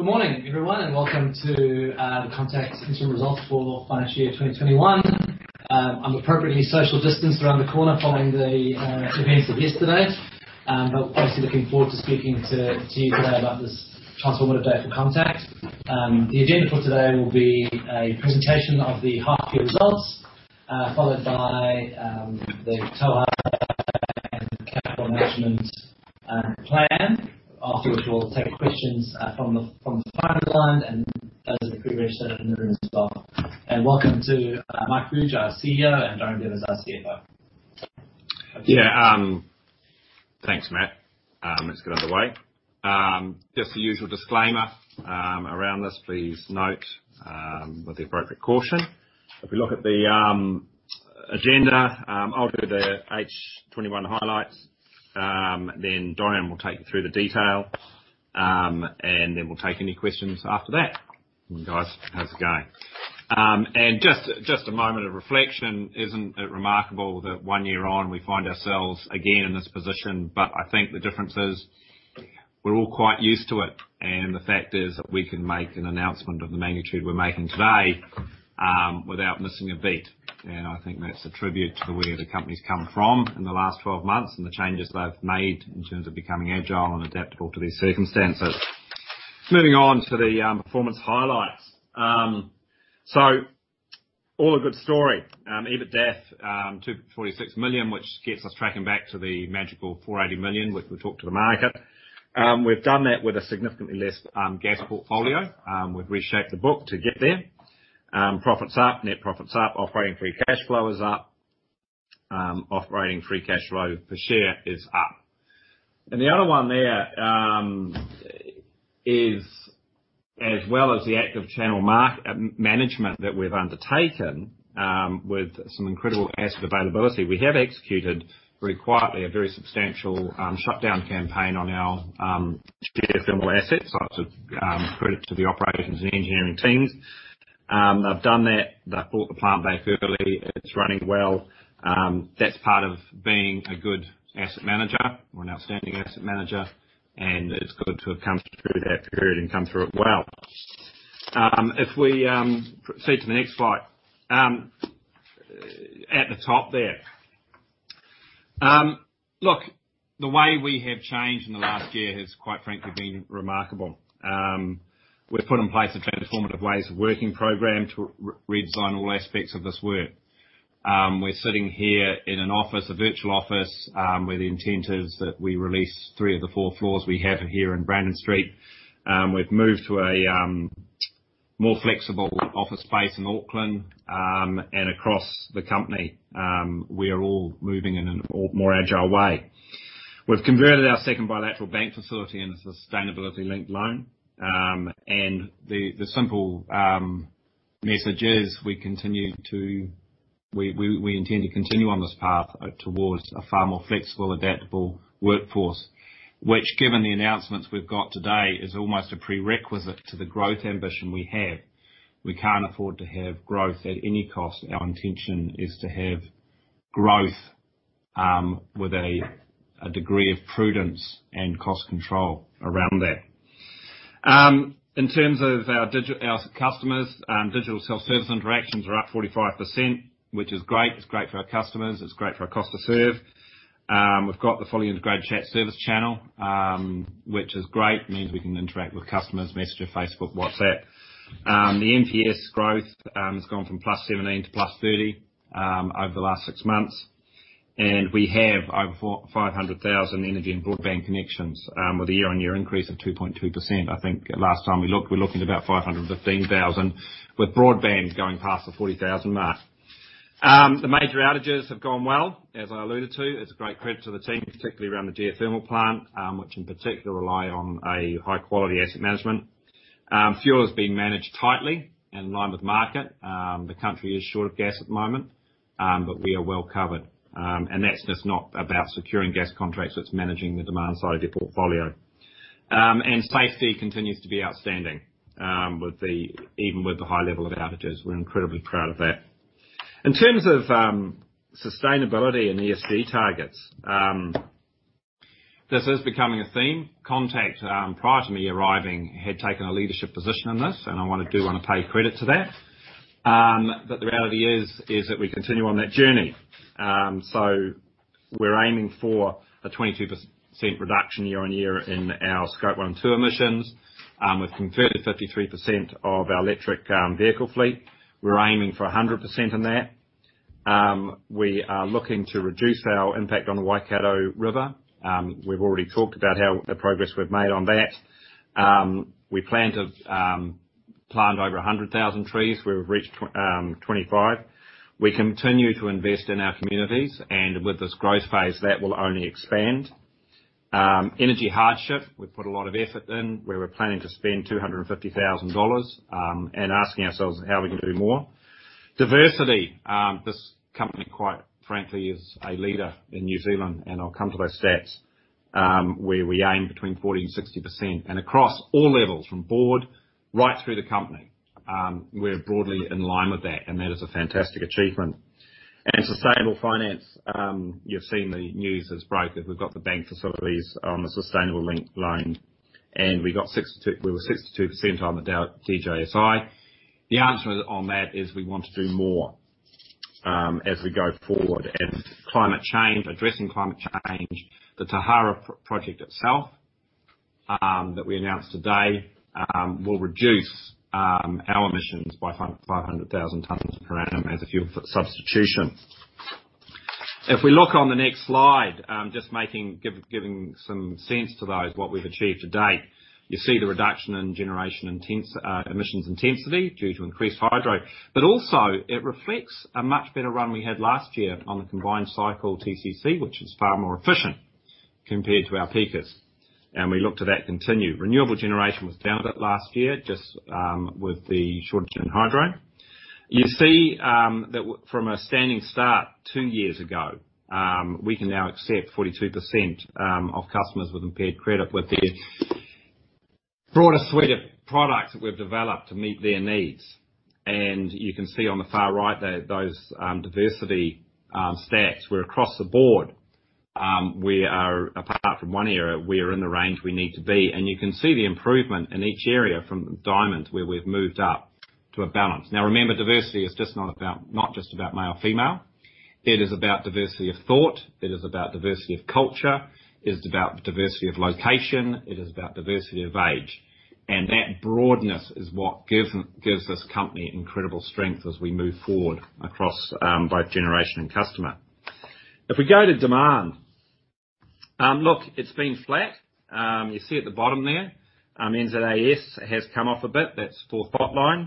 Good morning, everyone, and welcome to Contact's interim results for financial year 2021. I'm appropriately social distanced around the corner following the events of yesterday, but obviously looking forward to speaking to you today about this transformative day for Contact. The agenda for today will be a presentation of the half year results, followed by the COAG and capital management plan, after which we'll take questions from the phone line and those that have pre-registered in the room as well. Welcome to Mike Fuge, our CEO, and Dorian Devers, our CFO. Thanks, Matt. Let's get underway. Just the usual disclaimer around this, please note with the appropriate caution. If we look at the agenda, I'll do the H21 highlights, then Dorian will take you through the detail, and then we'll take any questions after that. Guys, how's it going? Just a moment of reflection. Isn't it remarkable that one year on, we find ourselves again in this position? I think the difference is we're all quite used to it, and the fact is that we can make an announcement of the magnitude we're making today, without missing a beat. I think that's a tribute to where the company's come from in the last 12 months and the changes they've made in terms of becoming agile and adaptable to these circumstances. Moving on to the performance highlights. All a good story. EBITDAF, 246 million, which gets us tracking back to the magical 480 million, which we talked to the market. We've done that with a significantly less gas portfolio. We've reshaped the book to get there. Profit's up, net profit's up. Operating free cash flow is up. Operating free cash flow per share is up. The other one there is, as well as the active channel management that we've undertaken with some incredible asset availability, we have executed very quietly, a very substantial shutdown campaign on our geothermal assets. That's a credit to the operations and engineering teams. They've done that. They've brought the plant back early. It's running well. That's part of being a good asset manager or an outstanding asset manager, and it's good to have come through that period and come through it well. If we proceed to the next slide. At the top there. Look, the way we have changed in the last year has, quite frankly, been remarkable. We've put in place a transformative ways of working program to redesign all aspects of this work. We're sitting here in an office, a virtual office, where the intent is that we release three of the four floors we have here in Brandon Street. We've moved to a more flexible office space in Auckland, and across the company, we are all moving in a more agile way. We've converted our second bilateral bank facility into a sustainability-linked loan. The simple message is we intend to continue on this path towards a far more flexible, adaptable workforce which, given the announcements we've got today, is almost a prerequisite to the growth ambition we have. We can't afford to have growth at any cost. Our intention is to have growth, with a degree of prudence and cost control around that. In terms of our customers, digital self-service interactions are up 45%, which is great. It's great for our customers. It's great for our cost to serve. We've got the fully integrated chat service channel, which is great. It means we can interact with customers, Messenger, Facebook, WhatsApp. The NPS growth has gone from +17 to +30 over the last six months, and we have over 500,000 energy and broadband connections with a year-on-year increase of 2.2%. I think last time we looked, we were looking at about 515,000, with broadband going past the 40,000 mark. The major outages have gone well, as I alluded to. It's a great credit to the team, particularly around the geothermal plant, which in particular rely on a high-quality asset management. Fuel is being managed tightly in line with market. The country is short of gas at the moment, but we are well covered, and that's just not about securing gas contracts, it's managing the demand side of your portfolio. Safety continues to be outstanding, even with the high level of outages. We're incredibly proud of that. In terms of sustainability and ESG targets, this is becoming a theme. Contact, prior to me arriving, had taken a leadership position in this, and I do want to pay credit to that. The reality is that we continue on that journey. We're aiming for a 22% reduction year-on-year in our scope one, two emissions. We've converted 53% of our electric vehicle fleet. We're aiming for 100% in that. We are looking to reduce our impact on the Waikato River. We've already talked about the progress we've made on that. We plan to plant over 100,000 trees. We've reached 25. We continue to invest in our communities, and with this growth phase, that will only expand. Energy hardship, we put a lot of effort in, where we're planning to spend 250,000 dollars and asking ourselves how we can do more. Diversity, this company, quite frankly, is a leader in New Zealand, and I'll come to those stats, where we aim between 40% and 60%, and across all levels, from board right through the company. We're broadly in line with that, and that is a fantastic achievement. Sustainable finance, you've seen the news has broken. We've got the bank facilities on the sustainable link loan, and we were 62% on the DJSI. The answer on that is we want to do more as we go forward. Climate change, addressing climate change, the Tauhara project itself that we announced today will reduce our emissions by 500,000 tons per annum as a fuel substitution. If we look on the next slide, just giving some sense to those what we've achieved to date. You see the reduction in generation emissions intensity due to increased hydro. Also it reflects a much better run we had last year on the combined cycle TCC, which is far more efficient compared to our peakers, and we look to that continue. Renewable generation was down a bit last year, just with the shortage in hydro. You see that from a standing start two years ago, we can now accept 42% of customers with impaired credit with the broader suite of products that we've developed to meet their needs. You can see on the far right there, those diversity stats where across the board, apart from one area, we are in the range we need to be. You can see the improvement in each area from diamond where we've moved up to a balance. Now remember, diversity is not just about male or female. It is about diversity of thought. It is about diversity of culture. It is about diversity of location. It is about diversity of age. That broadness is what gives this company incredible Cstrength as we move forward across both Generation and Customer. If we go to demand. Look, it's been flat. You see at the bottom there, NZAS has come off a bit. That's for Spotlight.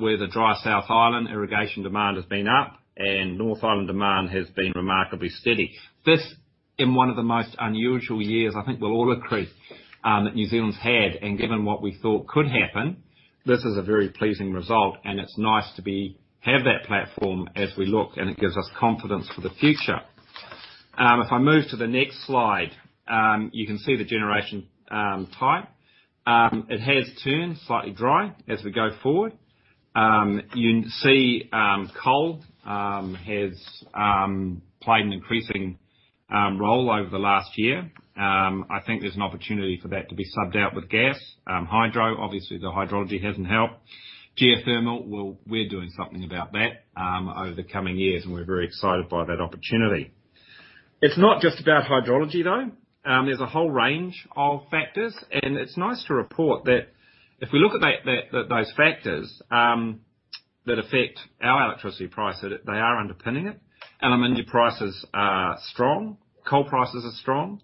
With a drier South Island, irrigation demand has been up, and North Island demand has been remarkably steady. This is one of the most unusual years, I think we'll all agree, that New Zealand's had, and given what we thought could happen, this is a very pleasing result, and it's nice to have that platform as we look, and it gives us confidence for the future. If I move to the next slide. You can see the generation type. It has turned slightly dry as we go forward. You can see coal has played an increasing role over the last year. I think there's an opportunity for that to be subbed out with gas. Hydro, obviously, the hydrology hasn't helped. Geothermal, well, we're doing something about that over the coming years, and we're very excited by that opportunity. It's not just about hydrology, though. There's a whole range of factors, and it's nice to report that if we look at those factors that affect our electricity price, that they are underpinning it. prices are strong. Coal prices are strong.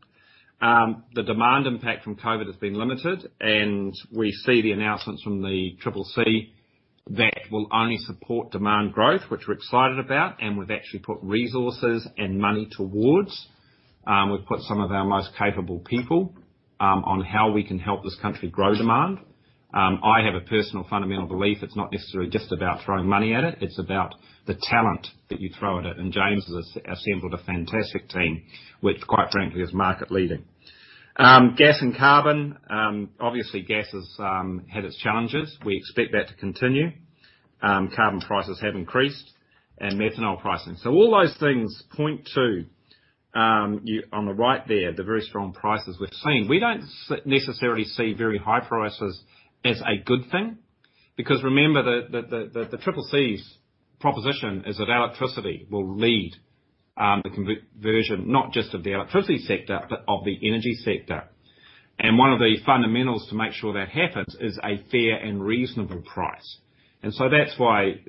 The demand impact from COVID has been limited, and we see the announcements from the CCC that will only support demand growth, which we're excited about, and we've actually put resources and money towards. We've put some of our most capable people on how we can help this country grow demand. I have a personal fundamental belief it's not necessarily just about throwing money at it's about the talent that you throw at it, and James has assembled a fantastic team which, quite frankly, is market leading. Gas and carbon. Obviously, gas has had its challenges. We expect that to continue. Carbon prices have increased and methanol pricing. All those things point to, on the right there, the very strong prices we're seeing. We don't necessarily see very high prices as a good thing because remember, the CCC's proposition is that electricity will lead the conversion not just of the electricity sector, but of the energy sector. One of the fundamentals to make sure that happens is a fair and reasonable price. That's why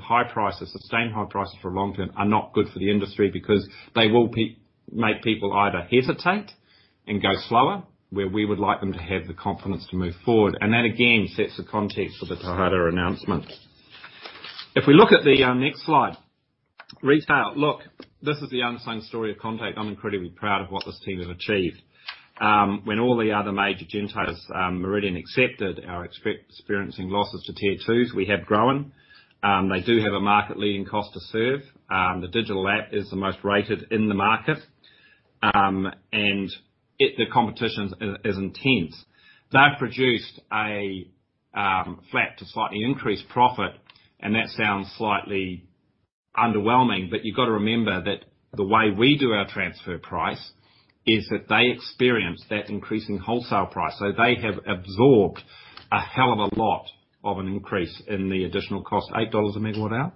high prices, sustained high prices for long term are not good for the industry because they will make people either hesitate and go slower, where we would like them to have the confidence to move forward. That, again, sets the context for the Tauhara announcement. If we look at the next slide. Retail. Look, this is the unsung story of Contact. I'm incredibly proud of what this team have achieved. When all the other major gentailers, Meridian excepted, are experiencing losses to Tier 2s, we have grown. They do have a market leading cost to serve. The digital app is the most rated in the market, and the competition is intense. They've produced a flat to slightly increased profit, and that sounds slightly underwhelming, but you've got to remember that the way we do our transfer price is that they experience that increase in wholesale price. They have absorbed a hell of a lot of an increase in the additional cost, 8 dollars a MWh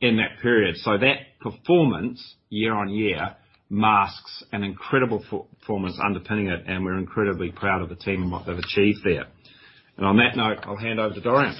in that period. That performance year-over-year masks an incredible performance underpinning it, and we're incredibly proud of the team and what they've achieved there. On that note, I'll hand over to Dorian.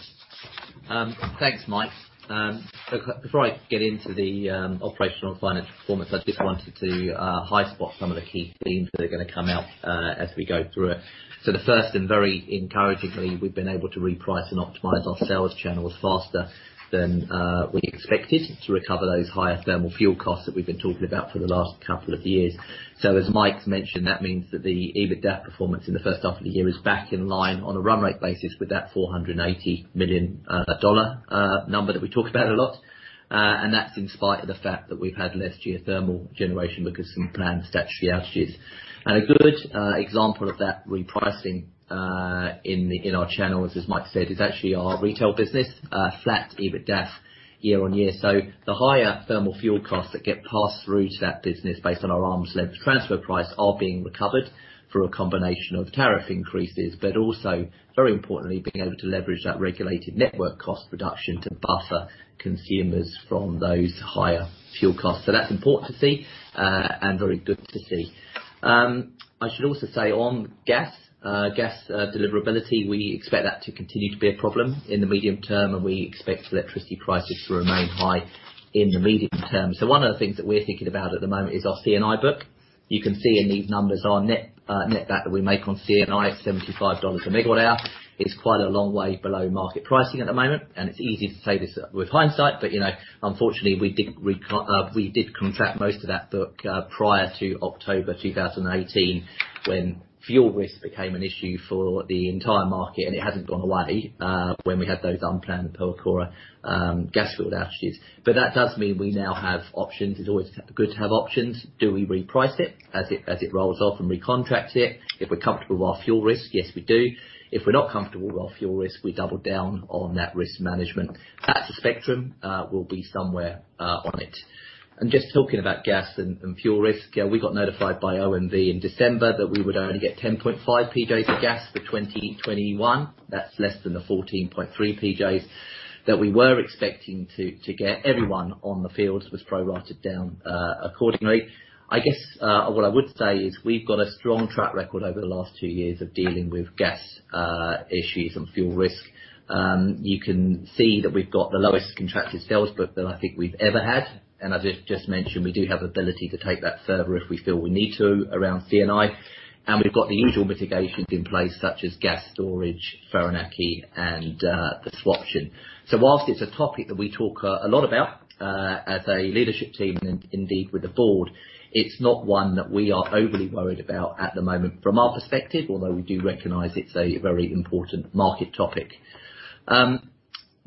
Thanks, Mike. Before I get into the operational and financial performance, I just wanted to high spot some of the key themes that are going to come out as we go through it. The first, and very encouragingly, we've been able to reprice and optimize our sales channels faster than we expected to recover those higher thermal fuel costs that we've been talking about for the last couple of years. As Mike's mentioned, that means that the EBITDA performance in the first half of the year is back in line on a run rate basis with that 480 million dollar number that we talk about a lot. That's in spite of the fact that we've had less geothermal generation because some planned statutory outages. A good example of that repricing in our channels, as Mike said, is actually our Retail business, flat EBITDA year-on-year. The higher thermal fuel costs that get passed through to that business based on our arm's length transfer price are being recovered through a combination of tariff increases, but also very importantly, being able to leverage that regulated network cost reduction to buffer consumers from those higher fuel costs. That's important to see and very good to see. I should also say on gas deliverability, we expect that to continue to be a problem in the medium-term, and we expect electricity prices to remain high in the medium-term. One of the things that we're thinking about at the moment is our C&I book. You can see in these numbers our net that we make on C&I is 75 dollars a MWh It's quite a long way below market pricing at the moment, and it's easy to say this with hindsight, but unfortunately we did contract most of that book prior to October 2018 when fuel risk became an issue for the entire market, and it hasn't gone away when we had those unplanned Pohokura gas field outages. That does mean we now have options. It's always good to have options. Do we reprice it as it rolls off and recontract it? If we're comfortable with our fuel risk, yes, we do. If we're not comfortable with our fuel risk, we double down on that risk management. That's a spectrum. We'll be somewhere on it. Just talking about gas and fuel risk, we got notified by OMV in December that we would only get 10.5 PJs of gas for 2021. That's less than the 14.3 PJs that we were expecting to get. Everyone on the field was prorated down accordingly. I guess what I would say is we've got a strong track record over the last two years of dealing with gas issues and fuel risk. You can see that we've got the lowest contracted sales book that I think we've ever had. As I just mentioned, we do have ability to take that further if we feel we need to around C&I. We've got the usual mitigations in place such as gas storage, Whanganui and the swaption. Whilst it's a topic that we talk a lot about as a leadership team and indeed with the board, it's not one that we are overly worried about at the moment from our perspective, although we do recognize it's a very important market topic.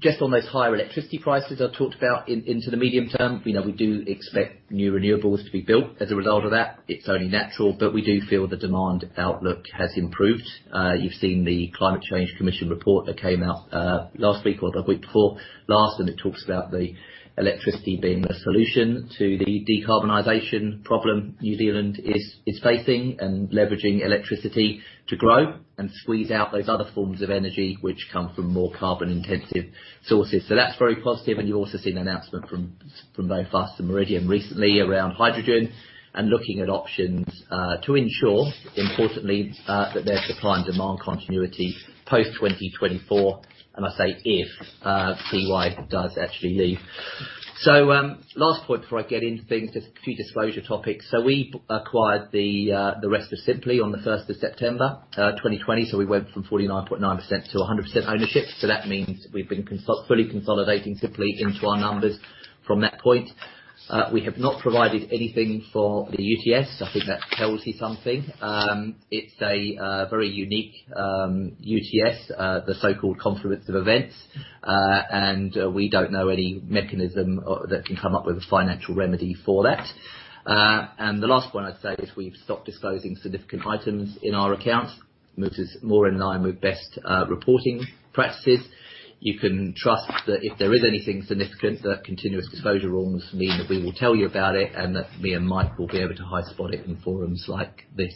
Just on those higher electricity prices I talked about into the medium-term, we do expect new renewables to be built as a result of that. It's only natural, but we do feel the demand outlook has improved. You've seen the Climate Change Commission report that came out last week or the week before last, and it talks about the electricity being a solution to the decarbonization problem New Zealand is facing and leveraging electricity to grow and squeeze out those other forms of energy which come from more carbon-intensive sources. That's very positive, and you've also seen an announcement from both Fortescue and Meridian recently around hydrogen and looking at options to ensure, importantly, that there's supply and demand continuity post 2024, and I say if Tiwai does actually leave. Last point before I get into things, just a few disclosure topics. We acquired the rest of Simply on the 1st of September 2020. We went from 49.9%-100% ownership. That means we've been fully consolidating Simply into our numbers from that point. We have not provided anything for the UTS. I think that tells you something. It's a very unique UTS, the so-called confluence of events. We don't know any mechanism that can come up with a financial remedy for that. The last point I'd say is we've stopped disclosing significant items in our accounts, which is more in line with best reporting practices. You can trust that if there is anything significant, the continuous disclosure rules mean that we will tell you about it and that me and Mike will be able to high spot it in forums like this.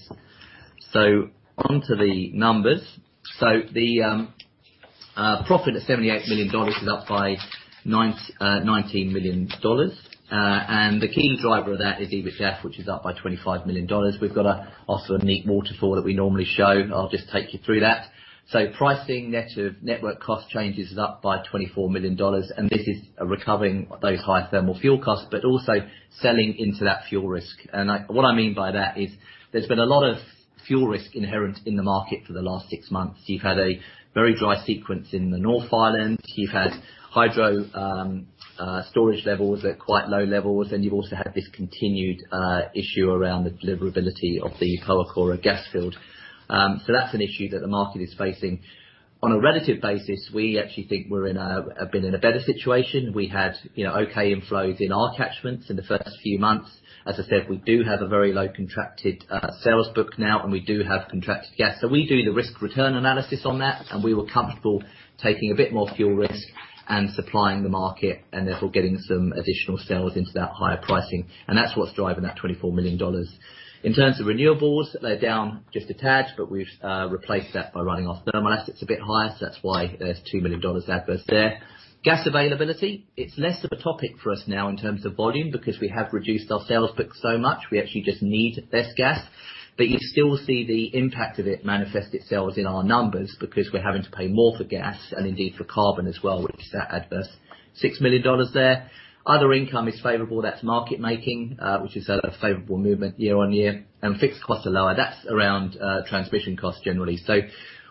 Onto the numbers. The profit of 78 million dollars is up by 19 million dollars. The key driver of that is EBITDA, which is up by 25 million dollars. We've got also a neat waterfall that we normally show. I'll just take you through that. Pricing net of network cost changes is up by 24 million dollars. This is recovering those high thermal fuel costs, but also selling into that fuel risk. What I mean by that is there's been a lot of fuel risk inherent in the market for the last six months. You've had a very dry sequence in the North Island. You've had hydro storage levels at quite low levels. You've also had this continued issue around the deliverability of the Pohokura gas field. That's an issue that the market is facing. On a relative basis, we actually think we're in a better situation. We had okay inflows in our catchments in the first few months. As I said, we do have a very low contracted sales book now, and we do have contracted gas. We do the risk return analysis on that, and we were comfortable taking a bit more fuel risk and supplying the market and therefore getting some additional sales into that higher pricing. That's what's driving that 24 million dollars. In terms of renewables, they're down just a tad, but we've replaced that by running our thermal assets a bit higher, so that's why there's 2 million dollars adverse there. Gas availability, it's less of a topic for us now in terms of volume because we have reduced our sales mix so much. We actually just need less gas. You still see the impact of it manifest itself in our numbers because we're having to pay more for gas and indeed for carbon as well, which is that adverse 6 million dollars there. Other income is favorable. That's market making, which is a favorable movement year on year. Fixed costs are lower. That's around transmission costs generally.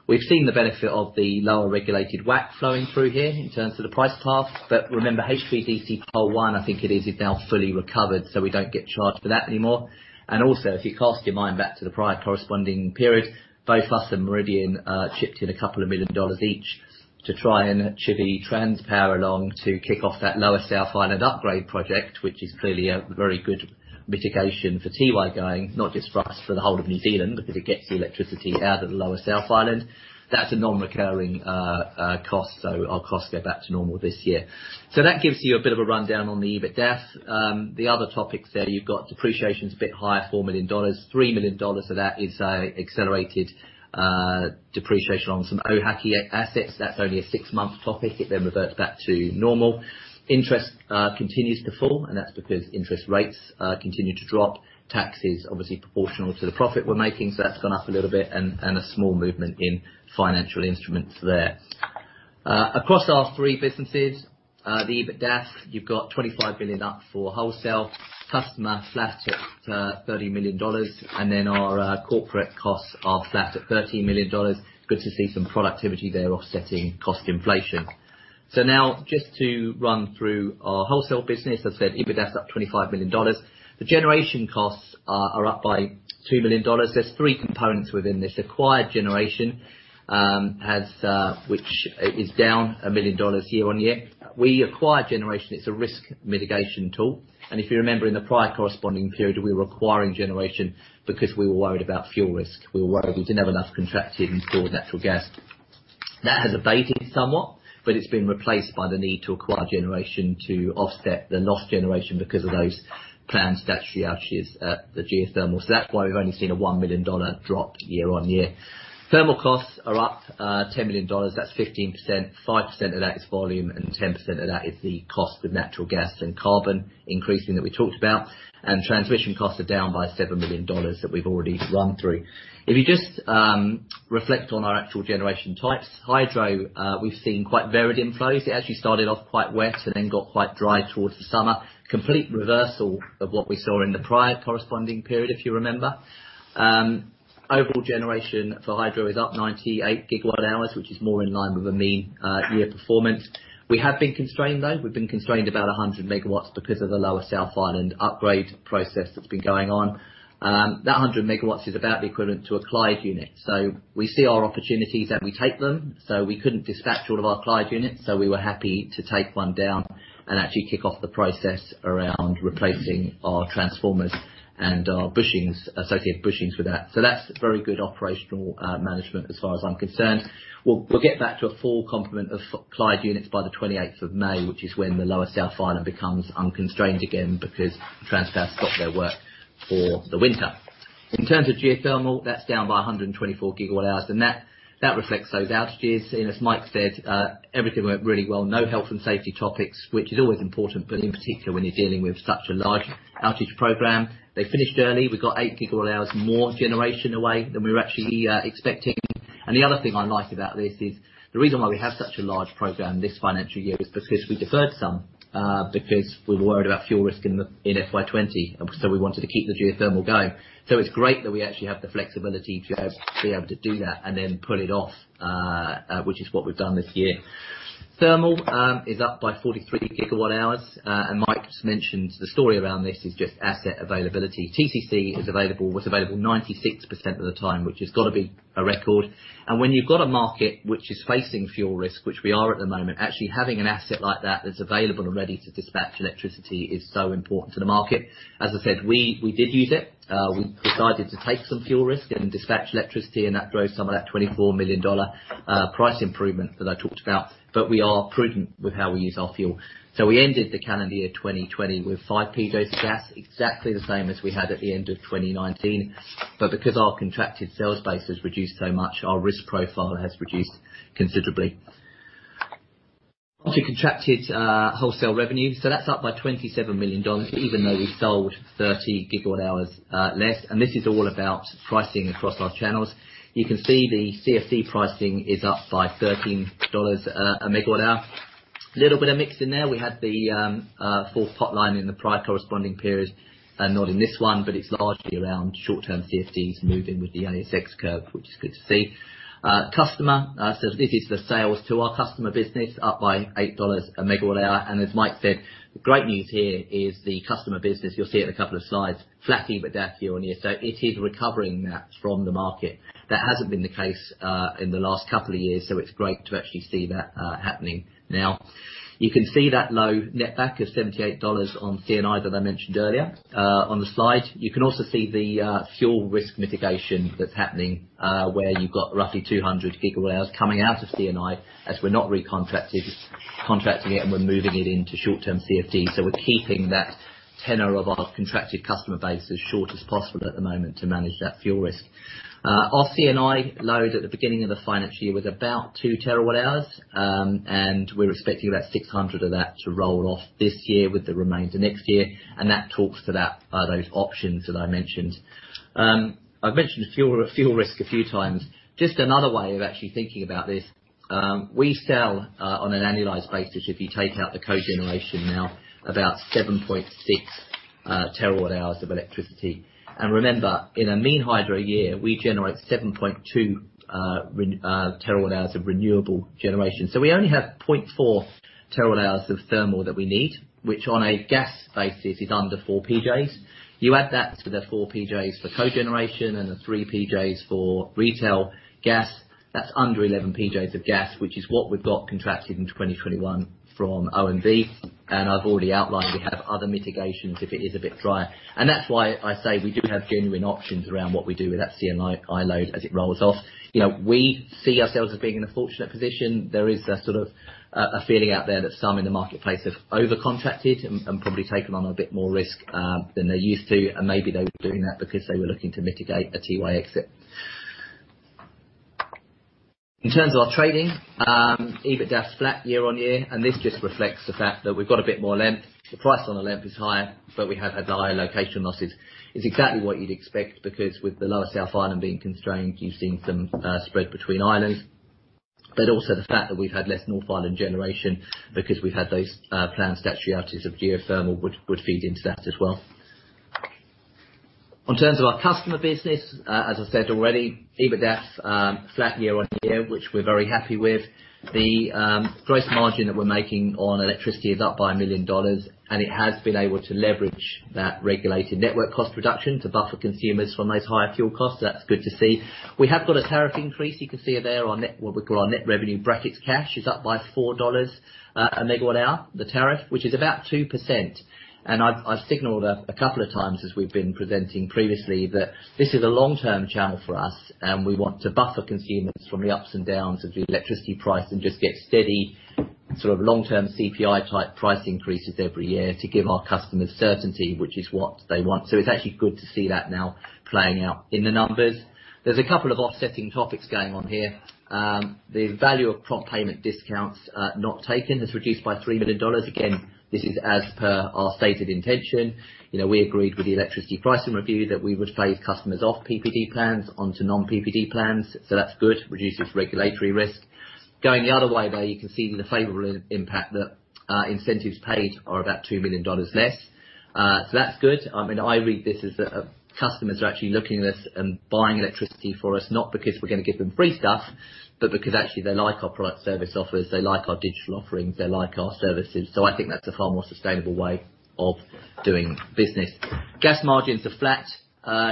We've seen the benefit of the lower regulated WACC flowing through here in terms of the price path. Remember, HVDC Pole 1, I think it is now fully recovered, so we don't get charged for that anymore. Also, if you cast your mind back to the prior corresponding period, both us and Meridian chipped in a couple of million dollars each to try and chivvy Transpower along to kick off that Lower South Island upgrade project, which is clearly a very good mitigation for Tiwai going, not just for us, for the whole of New Zealand, because it gets the electricity out of the Lower South Island. That's a non-recurring cost. Our costs go back to normal this year. That gives you a bit of a rundown on the EBITDAF. The other topics there, you've got depreciation's a bit higher, 4 million dollars. 3 million dollars of that is accelerated depreciation on some Ohaaki assets. That's only a six-month topic. It then reverts back to normal. Interest continues to fall, and that's because interest rates continue to drop. Tax is obviously proportional to the profit we're making, so that's gone up a little bit and a small movement in financial instruments there. Across our three businesses, the EBITDAF, you've got 25 million up for Wholesale, Customer flat at 30 million dollars, then our Corporate costs are flat at 13 million dollars. Good to see some productivity there offsetting cost inflation. Now just to run through our Wholesale business. As I said, EBITDAF's up 25 million dollars. The Generation costs are up by 2 million dollars. There's three components within this. Acquired generation which is down 1 million dollars year-on-year. We acquire generation, it's a risk mitigation tool. If you remember in the prior corresponding period, we were acquiring generation because we were worried about fuel risk. We were worried we didn't have enough contracted and stored natural gas. That has abated somewhat, but it's been replaced by the need to acquire generation to offset the lost generation because of those planned statutory outages at the geothermal. We've only seen a 1 million dollar drop year-over-year. Thermal costs are up 10 million dollars. That's 15%. 5% of that is volume and 10% of that is the cost of natural gas and carbon increasing that we talked about. Transmission costs are down by 7 million dollars that we've already run through. If you just reflect on our actual generation types, hydro, we've seen quite varied inflows. It actually started off quite wet and then got quite dry towards the summer. Complete reversal of what we saw in the prior corresponding period, if you remember. Overall generation for hydro is up 98 GWh, which is more in line with a mean year performance. We have been constrained though. We've been constrained about 100 MW because of the Lower South Island upgrade process that's been going on. That 100 MW is about equivalent to a Clyde unit. We see our opportunities and we take them. We couldn't dispatch all of our Clyde units, so we were happy to take one down and actually kick off the process around replacing our transformers and our bushings, associated bushings with that. That's very good operational management as far as I'm concerned. We'll get back to a full complement of Clyde units by the 28th of May, which is when the Lower South Island becomes unconstrained again because Transpower's got their work for the winter. In terms of geothermal, that's down by 124 GWh, and that reflects those outages. As Mike said, everything went really well. No health and safety topics, which is always important, but in particular when you're dealing with such a large outage program. They finished early. We got 8 GWh more generation away than we were actually expecting. The other thing I like about this is the reason why we have such a large program this financial year is because we deferred some because we were worried about fuel risk in FY 2020, we wanted to keep the geothermal going. It's great that we actually have the flexibility to be able to do that and then pull it off, which is what we've done this year. Thermal is up by 43 GWh. Mike's mentioned the story around this is just asset availability. TCC was available 96% of the time, which has got to be a record. When you've got a market which is facing fuel risk, which we are at the moment, actually having an asset like that that's available and ready to dispatch electricity is so important to the market. As I said, we did use it. We decided to take some fuel risk and dispatch electricity, and that drove some of that 24 million dollar price improvement that I talked about. We are prudent with how we use our fuel. We ended the calendar year 2020 with five PJs of gas, exactly the same as we had at the end of 2019. Because our contracted sales base has reduced so much, our risk profile has reduced considerably. Contracted Wholesale revenue. That's up by 27 million dollars, even though we sold 30 GWh less. This is all about pricing across our channels. You can see the CFD pricing is up by NZD 13 a MWh. Little bit of mix in there. We had the fourth potline in the prior corresponding period and not in this one, but it's largely around short-term CFDs moving with the ASX curve, which is good to see. This is the sales to our Customer business, up by 8 dollars a MWh. As Mike said, the great news here is the Customer business, you'll see it in a couple of slides, flat EBITDAF year-on-year. It is recovering that from the market. That hasn't been the case in the last couple of years. It's great to actually see that happening now. You can see that low netback of 78 dollars on C&I that I mentioned earlier on the slide. You can also see the fuel risk mitigation that's happening where you've got roughly 200 GWh coming out of C&I as we're not recontracting it, and we're moving it into short-term CFD. We're keeping that tenor of our contracted customer base as short as possible at the moment to manage that fuel risk. Our C&I load at the beginning of the financial year was about 2 TWh. We're expecting about 600 of that to roll off this year with the remainder next year. That talks to those options that I mentioned. I've mentioned fuel risk a few times. Just another way of actually thinking about this. We sell, on an annualized basis, if you take out the cogeneration now, about 7.6 TWh of electricity. Remember, in a mean hydro year, we generate 7.2 TWh of renewable generation. We only have 0.4 TWh of thermal that we need, which on a gas basis is under four PJs. You add that to the four PJs for cogeneration and the three PJs for retail gas. That's under 11 PJs of gas, which is what we've got contracted in 2021 from OMV. I've already outlined we have other mitigations if it is a bit drier. That's why I say we do have genuine options around what we do with that C&I load as it rolls off. We see ourselves as being in a fortunate position. There is a feeling out there that some in the marketplace have over-contracted and probably taken on a bit more risk than they used to, and maybe they were doing that because they were looking to mitigate a Tiwai exit. In terms of our trading, EBITDA's flat year-over-year. This just reflects the fact that we've got a bit more length. The price on the length is higher, but we have had the higher location losses. It's exactly what you'd expect because with the lower South Island being constrained, you've seen some spread between islands. Also the fact that we've had less North Island generation because we've had those planned statutory outages of geothermal would feed into that as well. In terms of our Customer business, as I said already, EBITDA's flat year-over-year, which we're very happy with. The gross margin that we're making on electricity is up by 1 million dollars. It has been able to leverage that regulated network cost reduction to buffer consumers from those higher fuel costs. That's good to see. We have got a tariff increase. You can see it there on what we call our net revenue brackets cash. It's up by 4 dollars a MWh. The tariff, which is about 2%. I've signaled a couple of times as we've been presenting previously, that this is a long-term channel for us, and we want to buffer consumers from the ups and downs of the electricity price and just get steady long-term CPI-type price increases every year to give our customers certainty, which is what they want. It's actually good to see that now playing out in the numbers. There's a couple of offsetting topics going on here. The value of prompt payment discounts not taken has reduced by 3 million dollars. Again, this is as per our stated intention. We agreed with the electricity pricing review that we would take customers off PPD plans onto non-PPD plans. That's good. Reduces regulatory risk. Going the other way, though, you can see the favorable impact that incentives paid are about 2 million dollars less. That's good. I read this as customers are actually looking at us and buying electricity for us, not because we're going to give them free stuff, but because actually they like our product service offers, they like our digital offerings, they like our services. I think that's a far more sustainable way of doing business. Gas margins are flat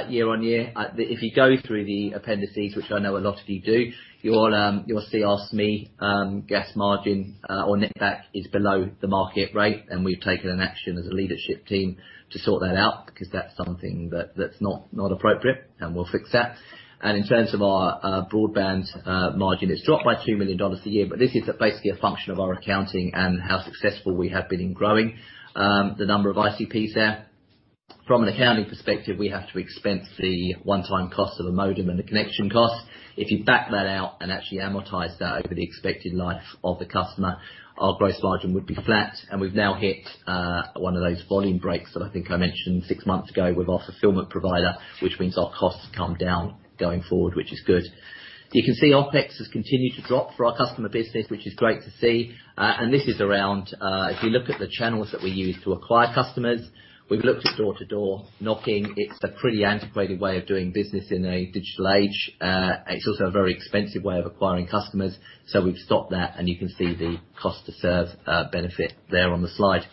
year-on-year. If you go through the appendices, which I know a lot of you do, you'll see our SME gas margin or net back is below the market rate, and we've taken an action as a leadership team to sort that out because that's something that's not appropriate, and we'll fix that. In terms of our broadband margin, it's dropped by 2 million dollars a year, but this is basically a function of our accounting and how successful we have been in growing the number of ICPs there. From an accounting perspective, we have to expense the one-time cost of a modem and the connection cost. If you back that out and actually amortize that over the expected life of the customer, our gross margin would be flat. We've now hit one of those volume breaks that I think I mentioned six months ago with our fulfillment provider, which means our costs come down going forward, which is good. You can see OpEx has continued to drop for our Customer business, which is great to see. This is around if you look at the channels that we use to acquire customers, we've looked at door-to-door knocking. It's a pretty antiquated way of doing business in a digital age. It's also a very expensive way of acquiring customers. We've stopped that, and you can see the cost-to-serve benefit there on the slide.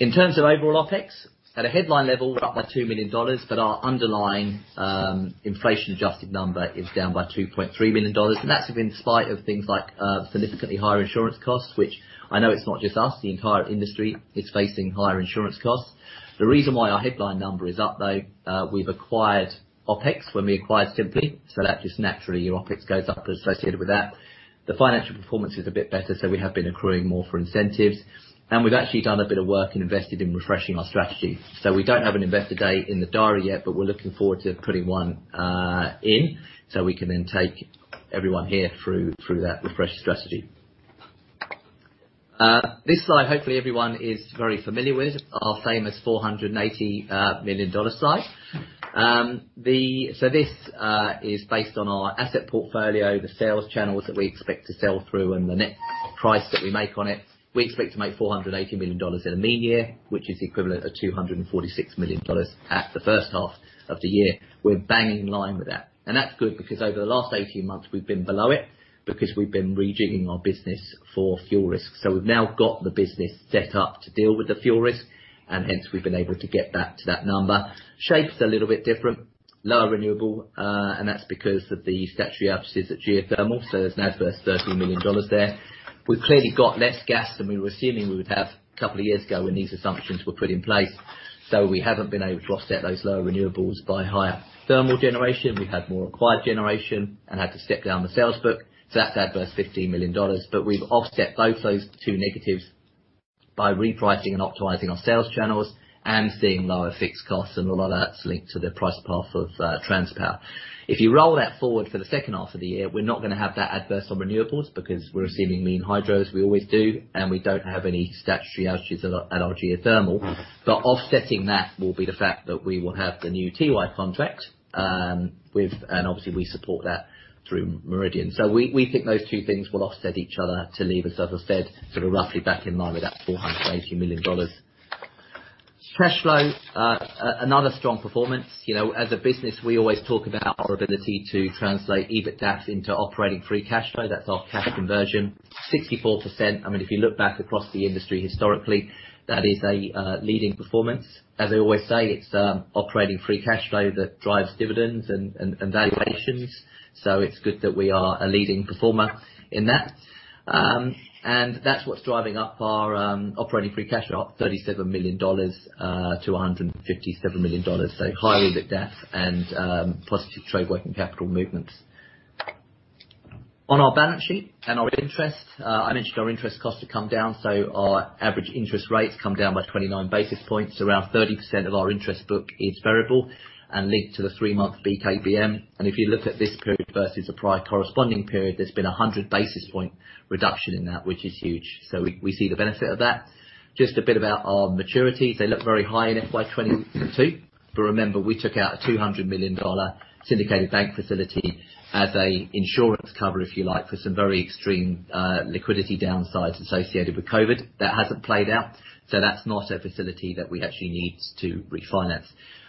In terms of overall OpEx, at a headline level, we're up by 2 million dollars, but our underlying inflation-adjusted number is down by 2.3 million dollars. That's in spite of things like significantly higher insurance costs, which I know it's not just us. The entire industry is facing higher insurance costs. The reason why our headline number is up, though, we've acquired OpEx when we acquired Simply. That just naturally your OpEx goes up as associated with that. The financial performance is a bit better. We have been accruing more for incentives. We've actually done a bit of work and invested in refreshing our strategy. We don't have an investor date in the diary yet, but we're looking forward to putting one in so we can then take everyone here through that refreshed strategy. This slide, hopefully everyone is very familiar with. Our famous 480 million dollar slide. This is based on our asset portfolio, the sales channels that we expect to sell through, and the net price that we make on it. We expect to make 480 million dollars in a mean year, which is equivalent of 246 million dollars at the first half of the year. We're bang in line with that. That's good because over the last 18 months we've been below it because we've been rejigging our business for fuel risk. We've now got the business set up to deal with the fuel risk, and hence we've been able to get that to that number. Shape's a little bit different. Lower renewable, and that's because of the statutory outages at geothermal. There's an adverse 13 million dollars there. We've clearly got less gas than we were assuming we would have a couple of years ago when these assumptions were put in place. We haven't been able to offset those lower renewables by higher thermal generation. We've had more acquired generation and had to step down the sales book. That's adverse 15 million dollars. We've offset both those two negatives by repricing and optimizing our sales channels and seeing lower fixed costs, and a lot of that's linked to the price path of Transpower. If you roll that forward for the second half of the year, we're not going to have that adverse on renewables because we're assuming lean hydros, we always do, and we don't have any statutory outages at our geothermal. Offsetting that will be the fact that we will have the new Tiwai contract, and obviously, we support that through Meridian. We think those two things will offset each other to leave us, as I said, sort of roughly back in line with that 480 million dollars. Cash flow. Another strong performance. As a business, we always talk about our ability to translate EBITDA into operating free cash flow. That's our cash conversion, 64%. If you look back across the industry historically, that is a leading performance. As I always say, it's operating free cash flow that drives dividends and valuations. It's good that we are a leading performer in that. That's what's driving up our operating free cash up 37 million-157 million dollars. High EBITDA and positive trade working capital movements. On our balance sheet and our interest, I mentioned our interest costs have come down. Our average interest rates come down by 29 basis points. Around 30% of our interest book is variable and linked to the three-month BKBM. If you look at this period versus the prior corresponding period, there's been a 100-basis point reduction in that, which is huge. We see the benefit of that. Just a bit about our maturities. They look very high in FY 2022. Remember, we took out a 200 million dollar syndicated bank facility as a insurance cover, if you like, for some very extreme liquidity downsides associated with COVID. That hasn't played out. That's not a facility that we actually need to refinance.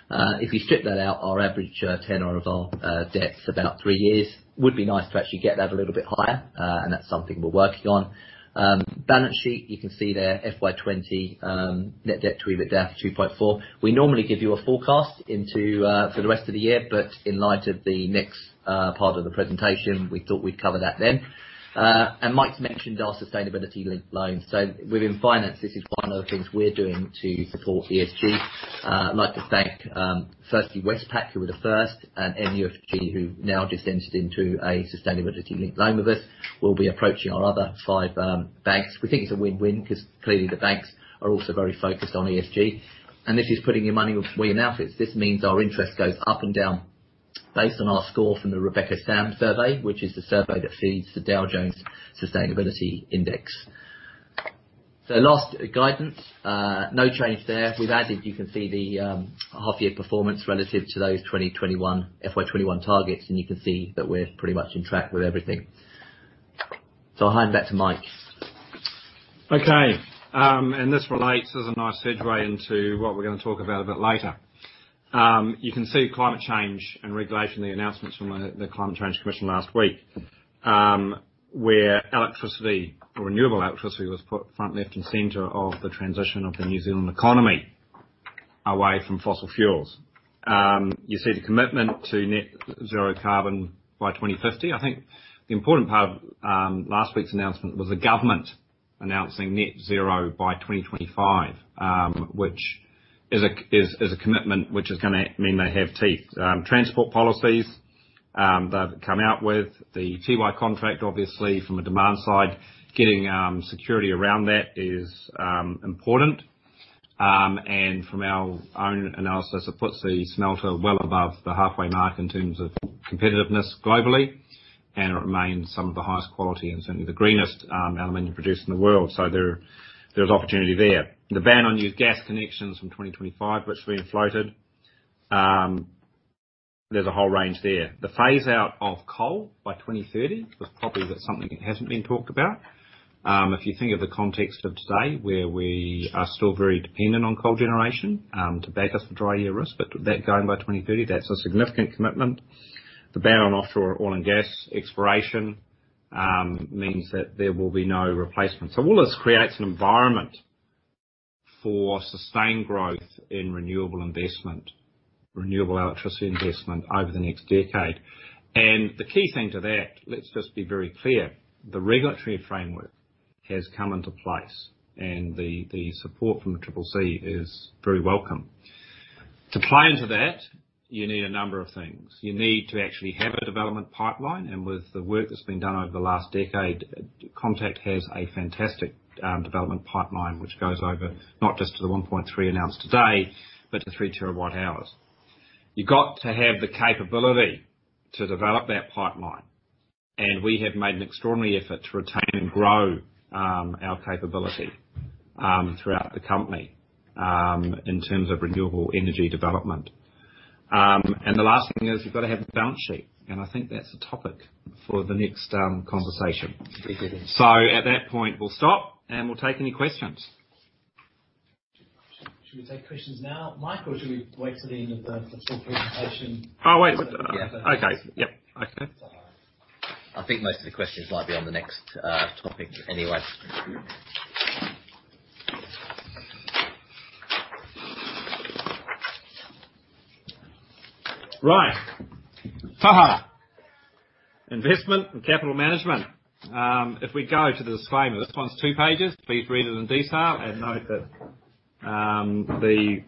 If you strip that out, our average tenor of our debt's about three years. Would be nice to actually get that a little bit higher, and that's something we're working on. Balance sheet, you can see there FY 2020 net debt to EBITDA, 2.4x. We normally give you a forecast for the rest of the year, but in light of the next part of the presentation, we thought we'd cover that then. Mike's mentioned our sustainability linked loans. Within finance, this is one of the things we're doing to support ESG. I'd like to thank firstly Westpac, who were the first, and MUFG, who now just entered into a sustainability linked loan with us. We'll be approaching our other five banks. We think it's a win-win because clearly the banks are also very focused on ESG, and this is putting your money where your mouth is. This means our interest goes up and down based on our score from the RobecoSAM survey, which is the survey that feeds the Dow Jones Sustainability Index. Last, guidance. No change there. We've added, you can see the half year performance relative to those FY 2021 targets, and you can see that we're pretty much on track with everything. I'll hand back to Mike. Okay. This relates as a nice segue into what we're going to talk about a bit later. You can see climate change and regulation, the announcements from the Climate Change Commission last week, where electricity or renewable electricity was put front, left, and center of the transition of the New Zealand economy away from fossil fuels. You see the commitment to net zero carbon by 2050. I think the important part of last week's announcement was the government announcing net zero by 2025, which is a commitment which is going to mean they have teeth. Transport policies they've come out with. The Tiwai contract, obviously from a demand side, getting security around that is important. From our own analysis, it puts the smelter well above the halfway mark in terms of competitiveness globally, and it remains some of the highest quality and certainly the greenest aluminum produced in the world. There's opportunity there. The ban on new gas connections from 2025, which have been floated. There's a whole range there. The phaseout of coal by 2030 was probably something that hasn't been talked about. If you think of the context of today, where we are still very dependent on coal generation to back us for dry year risk, but that going by 2030, that's a significant commitment. The ban on offshore oil and gas exploration means that there will be no replacement. All this creates an environment for sustained growth in renewable investment, renewable electricity investment over the next decade. The key thing to that, let's just be very clear, the regulatory framework has come into place, and the support from the CCC is very welcome. To play into that, you need a number of things. You need to actually have a development pipeline, and with the work that's been done over the last decade, Contact has a fantastic development pipeline, which goes over not just to the 1.3 announced today, but to 3 TWh. You've got to have the capability to develop that pipeline, and we have made an extraordinary effort to retain and grow our capability throughout the company in terms of renewable energy development. The last thing is you've got to have a balance sheet, and I think that's a topic for the next conversation. Agreed. At that point, we'll stop, and we'll take any questions. Should we take questions now, Mike? Or should we wait till the end of the full presentation? Oh, wait. Yeah. Okay. Yep. Okay. I think most of the questions might be on the next topic anyway. Tauhara. Investment and capital management. If we go to the disclaimer, this one's two pages. Please read it in detail and note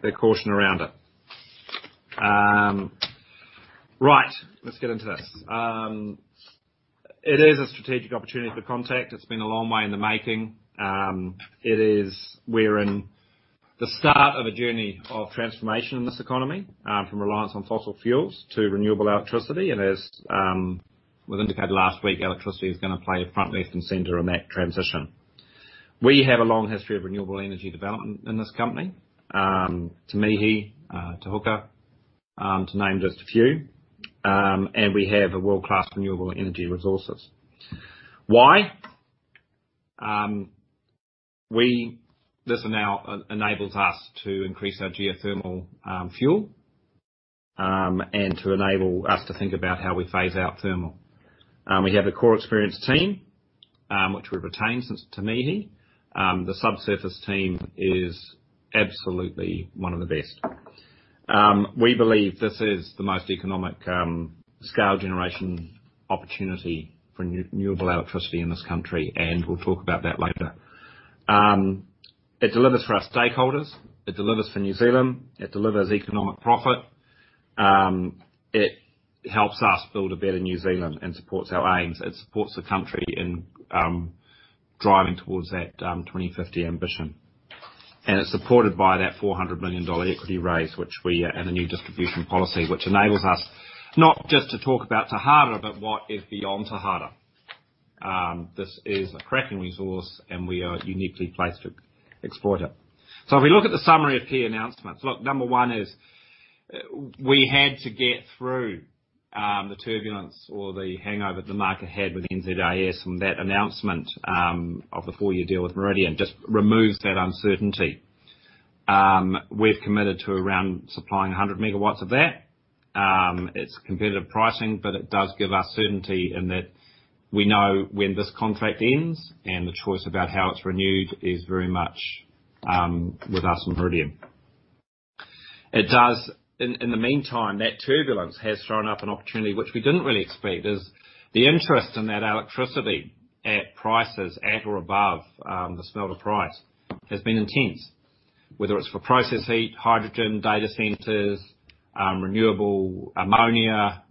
the caution around it. Let's get into this. It is a strategic opportunity for Contact. It's been a long way in the making. We're in the start of a journey of transformation in this economy, from reliance on fossil fuels to renewable electricity. As was indicated last week, electricity is going to play front, left, and center in that transition. We have a long history of renewable energy development in this company. Te Mihi, Te Huka, to name just a few. We have a world-class renewable energy resources. Why? This now enables us to increase our geothermal fuel, and to enable us to think about how we phase out thermal. We have a core experienced team, which we've retained since Te Mihi. The subsurface team is absolutely one of the best. We believe this is the most economic scale generation opportunity for renewable electricity in this country, and we'll talk about that later. It delivers for our stakeholders. It delivers for New Zealand. It delivers economic profit. It helps us build a better New Zealand and supports our aims. It supports the country in driving towards that 2050 ambition. It's supported by that 400 million dollar equity raise and the new distribution policy, which enables us not just to talk about Tauhara, but what is beyond Tauhara. This is a cracking resource and we are uniquely placed to exploit it. If we look at the summary of key announcements. Look, number one is we had to get through the turbulence or the hangover the market had with NZAS, and that announcement of the four-year deal with Meridian just removes that uncertainty. We've committed to around supplying 100 MW of that. It's competitive pricing, but it does give us certainty in that we know when this contract ends and the choice about how it's renewed is very much with us and Meridian. In the meantime, that turbulence has thrown up an opportunity which we didn't really expect, is the interest in that electricity at prices at or above the smelter price has been intense. Whether it's for process heat, hydrogen, data centers, renewable ammonia,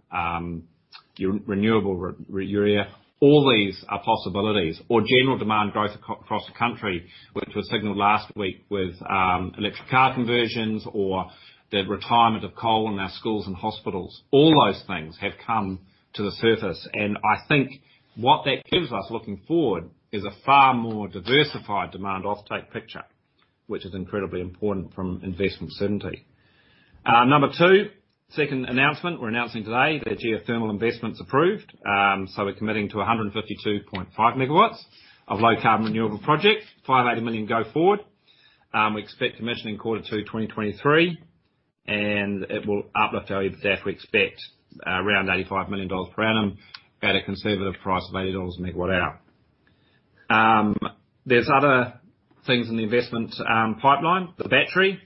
renewable urea, all these are possibilities. General demand growth across the country, which was signaled last week with electric car conversions or the retirement of coal in our schools and hospitals. All those things have come to the surface, and I think what that gives us looking forward is a far more diversified demand off-take picture, which is incredibly important from investment certainty. Number two, second announcement we're announcing today, that geothermal investment's approved. We're committing to 152.5 MW of low carbon renewable project, 580 million go forward. We expect commissioning Q2 2023, and it will uplift value of EBIDAF. We expect around NZD 85 million per annum at a conservative price of NZD 80 per MWh. There's other things in the investment pipeline. The battery.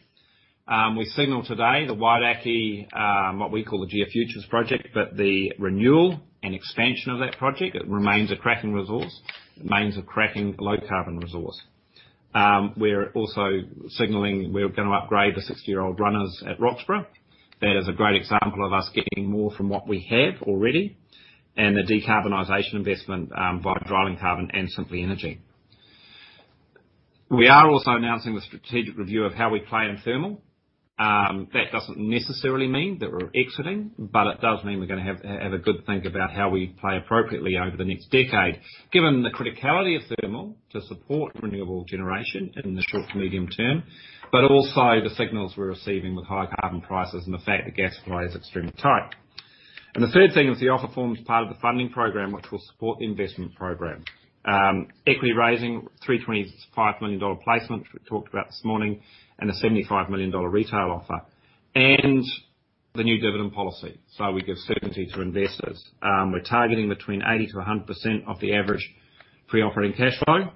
We signal today the Wairakei, what we call the GeoFutures project, the renewal and expansion of that project, it remains a cracking resource. It remains a cracking low carbon resource. We're also signaling we're going to upgrade the 60-year-old runners at Roxburgh. That is a great example of us getting more from what we have already and the decarbonization investment via Drylandcarbon and Simply Energy. We are also announcing the strategic review of how we play in thermal. That doesn't necessarily mean that we're exiting, but it does mean we're going to have a good think about how we play appropriately over the next decade, given the criticality of thermal to support renewable generation in the short to medium-term, but also the signals we're receiving with high carbon prices and the fact that gas supply is extremely tight. The third thing is the offer forms part of the funding program, which will support the investment program. Equity raising, 325 million dollar placement, which we talked about this morning, and a 75 million dollar retail offer. The new dividend policy so we give certainty to investors. We're targeting between 80%-100% of the average pre-operating cash flow.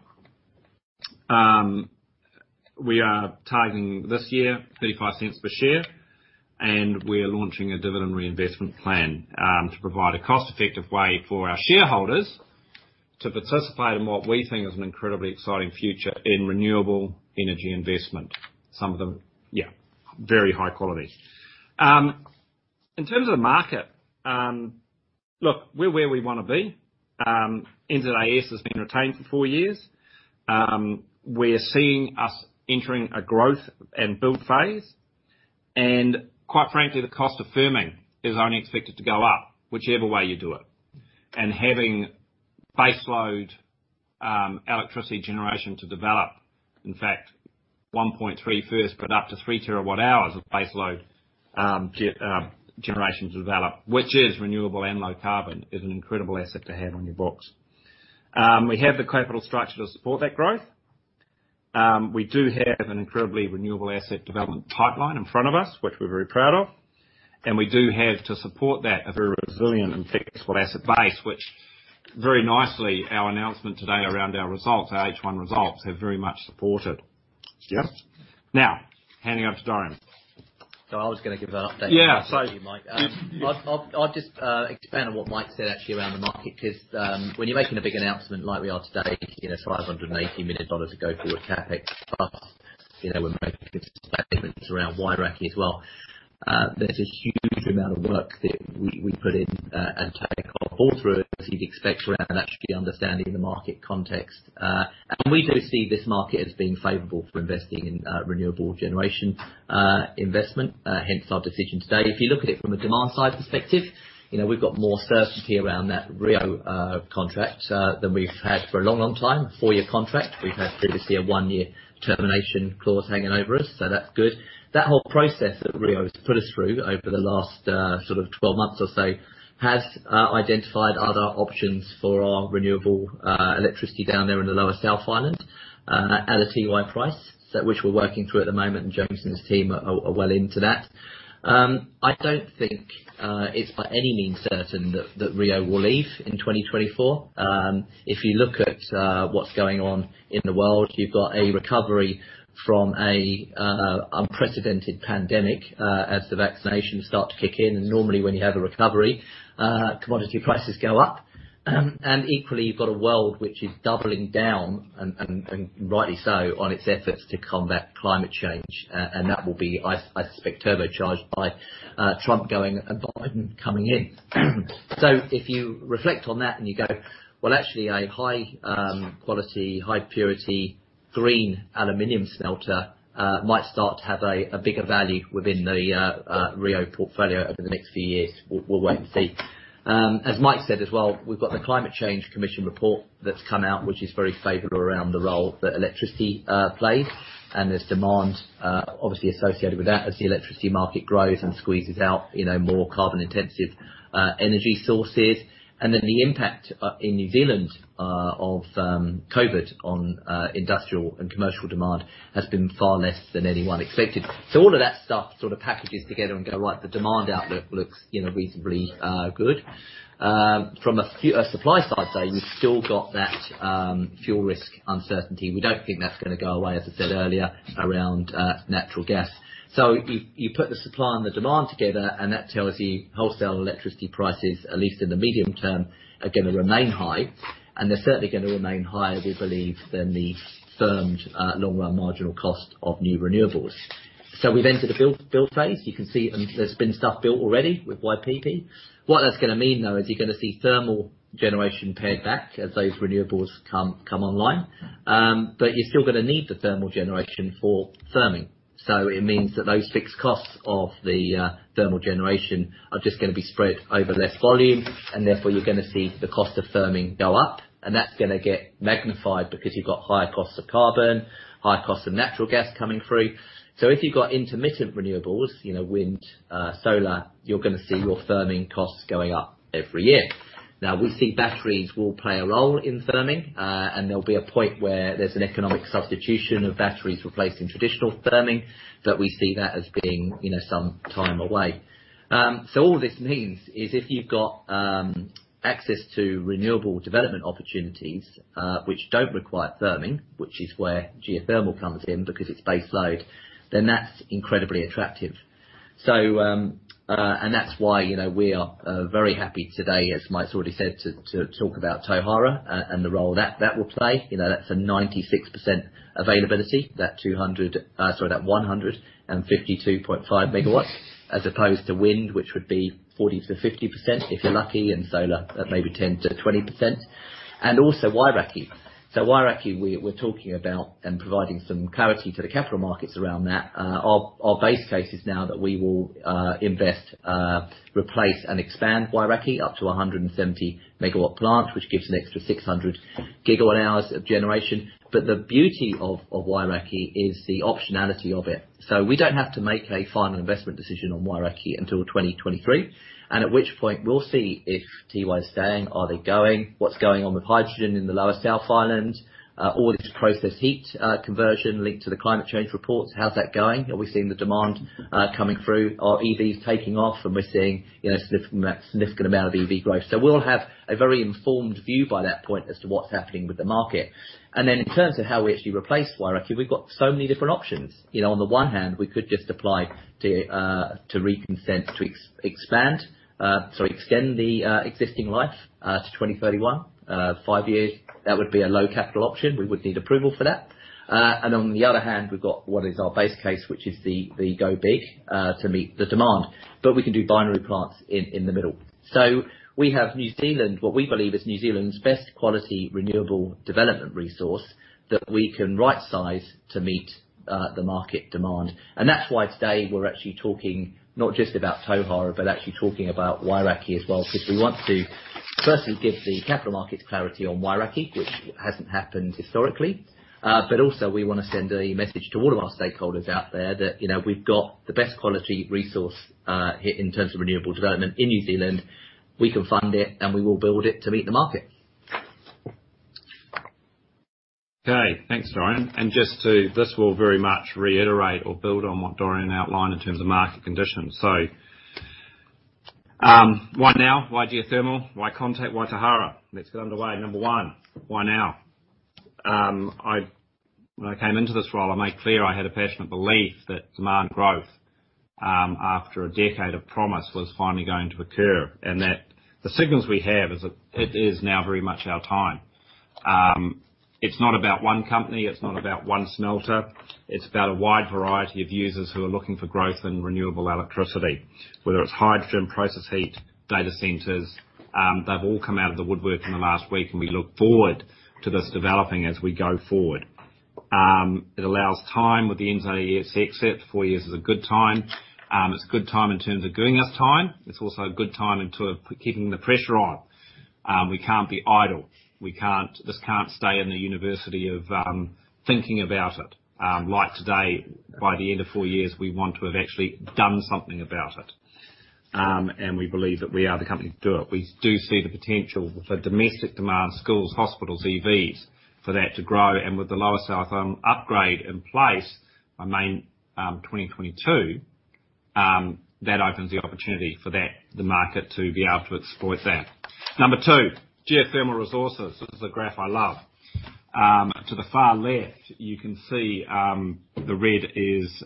We are targeting this year 0.35 per share. We're launching a dividend reinvestment plan to provide a cost-effective way for our shareholders to participate in what we think is an incredibly exciting future in renewable energy investment. Some of them, yeah, very high quality. In terms of the market. Look, we're where we want to be. NZAS has been retained for four years. We're seeing us entering a growth and build phase. Quite frankly, the cost of firming is only expected to go up whichever way you do it. Having baseload electricity generation to develop, in fact, 1.3 first, but up to three terawatt hours of baseload generation to develop, which is renewable and low carbon, is an incredible asset to have on your books. We have the capital structure to support that growth. We do have an incredibly renewable asset development pipeline in front of us, which we're very proud of, and we do have to support that a very resilient and flexible asset base, which very nicely our announcement today around our results, our H1 results, have very much supported. Yeah. Now handing on to Dorian. I was going to give an update. Yeah, sorry. Actually, Mike. I'll just expand on what Mike said actually around the market because when you're making a big announcement like we are today, 580 million dollars to go for a CapEx we're making statements around Wairakei as well. There's a huge amount of work that we put in and take all through, as you'd expect, around actually understanding the market context. We do see this market as being favorable for investing in renewable generation investment hence our decision today. If you look at it from a demand side perspective, we've got more certainty around that Rio contract than we've had for a long, long time. Four-year contract. We've had previously a one-year termination clause hanging over us, so that's good. That whole process that Rio has put us through over the last 12 months or so has identified other options for our renewable electricity down there in the Lower South Island at a Tiwai price, which we're working through at the moment, and Jameson's team are well into that. I don't think it's by any means certain that Rio will leave in 2024. If you look at what's going on in the world, you've got a recovery from an unprecedented pandemic as the vaccinations start to kick in. Normally when you have a recovery, commodity prices go up. Equally, you've got a world which is doubling down, and rightly so, on its efforts to combat climate change. That will be, I suspect, turbocharged by Trump going and Biden coming in. If you reflect on that and you go, well, actually a high quality, high purity green aluminum smelter might start to have a bigger value within the Rio portfolio over the next few years. We'll wait and see. As Mike said as well, we've got the Climate Change Commission report that's come out, which is very favorable around the role that electricity plays. There's demand obviously associated with that as the electricity market grows and squeezes out more carbon intensive energy sources. The impact in New Zealand of COVID on industrial and commercial demand has been far less than anyone expected. All of that stuff sort of packages together and go right, the demand outlook looks reasonably good. From a supply side say, you've still got that fuel risk uncertainty. We don't think that's going to go away, as I said earlier, around natural gas. You put the supply and the demand together, and that tells you wholesale electricity prices, at least in the medium term, are going to remain high. They're certainly going to remain higher, we believe, than the firmed long-run marginal cost of new renewables. We've entered a build phase. You can see there's been stuff built already with YPP. What that's going to mean, though, is you're going to see thermal generation pared back as those renewables come online. You're still going to need the thermal generation for firming. It means that those fixed costs of the thermal generation are just going to be spread over less volume, and therefore you're going to see the cost of firming go up. That's going to get magnified because you've got higher costs of carbon, higher costs of natural gas coming through. If you've got intermittent renewables, wind, solar, you're going to see your firming costs going up every year. We see batteries will play a role in firming. There'll be a point where there's an economic substitution of batteries replacing traditional firming, but we see that as being some time away. All this means is if you've got access to renewable development opportunities which don't require firming, which is where geothermal comes in because it's base load, then that's incredibly attractive. That's why we are very happy today, as Mike's already said, to talk about Tauhara and the role that will play. That's a 96% availability, that 152.5 MW, as opposed to wind which would be 40%-50% if you're lucky, and solar at maybe 10%-20%. Also Wairakei. Wairakei, we're talking about and providing some clarity to the capital markets around that. Our base case is now that we will invest, replace and expand Wairakei up to 170 MW plant, which gives an extra 600 GWh of generation. The beauty of Wairakei is the optionality of it. We don't have to make a final investment decision on Wairakei until 2023, and at which point we'll see if Tiwai's staying. Are they going? What's going on with hydrogen in the Lower South Island? All this process heat conversion linked to the climate change reports. How's that going? Are we seeing the demand coming through? Are EVs taking off and we're seeing significant amount of EV growth? We'll have a very informed view by that point as to what's happening with the market. Then in terms of how we actually replace Wairakei, we've got so many different options. On the one hand, we could just apply to reconsent to expand, sorry, extend the existing life to 2031. Five years. That would be a low capital option. We would need approval for that. On the other hand, we've got what is our base case, which is the go big to meet the demand. But we can do binary plants in the middle. So we have New Zealand, what we believe is New Zealand's best quality renewable development resource that we can right size to meet the market demand. That's why today we're actually talking not just about Tauhara, but actually talking about Wairakei as well. Because we want to firstly give the capital markets clarity on Wairakei, which hasn't happened historically. Also we want to send a message to all of our stakeholders out there that we've got the best quality resource in terms of renewable development in New Zealand. We can fund it and we will build it to meet the market. Okay. Thanks, Dorian. This will very much reiterate or build on what Dorian outlined in terms of market conditions. Why now? Why geothermal? Why Contact? Why Tauhara? Let's get underway. Number one, why now? When I came into this role, I made clear I had a passionate belief that demand growth, after a decade of promise, was finally going to occur, and that the signals we have is that it is now very much our time. It's not about one company, it's not about one smelter. It's about a wide variety of users who are looking for growth in renewable electricity, whether it's hydrogen, process heat, data centers. They've all come out of the woodwork in the last week, and we look forward to this developing as we go forward. It allows time with the NZAS except four years is a good time. It's a good time in terms of giving us time. It's also a good time in terms of keeping the pressure on. We can't be idle. This can't stay in the university of thinking about it. Like today, by the end of four years, we want to have actually done something about it, and we believe that we are the company to do it. We do see the potential for domestic demand, schools, hospitals, EVs, for that to grow. With the Lower South upgrade in place by May 2022, that opens the opportunity for the market to be able to exploit that. Number two, geothermal resources. This is a graph I love. To the far left, you can see the red is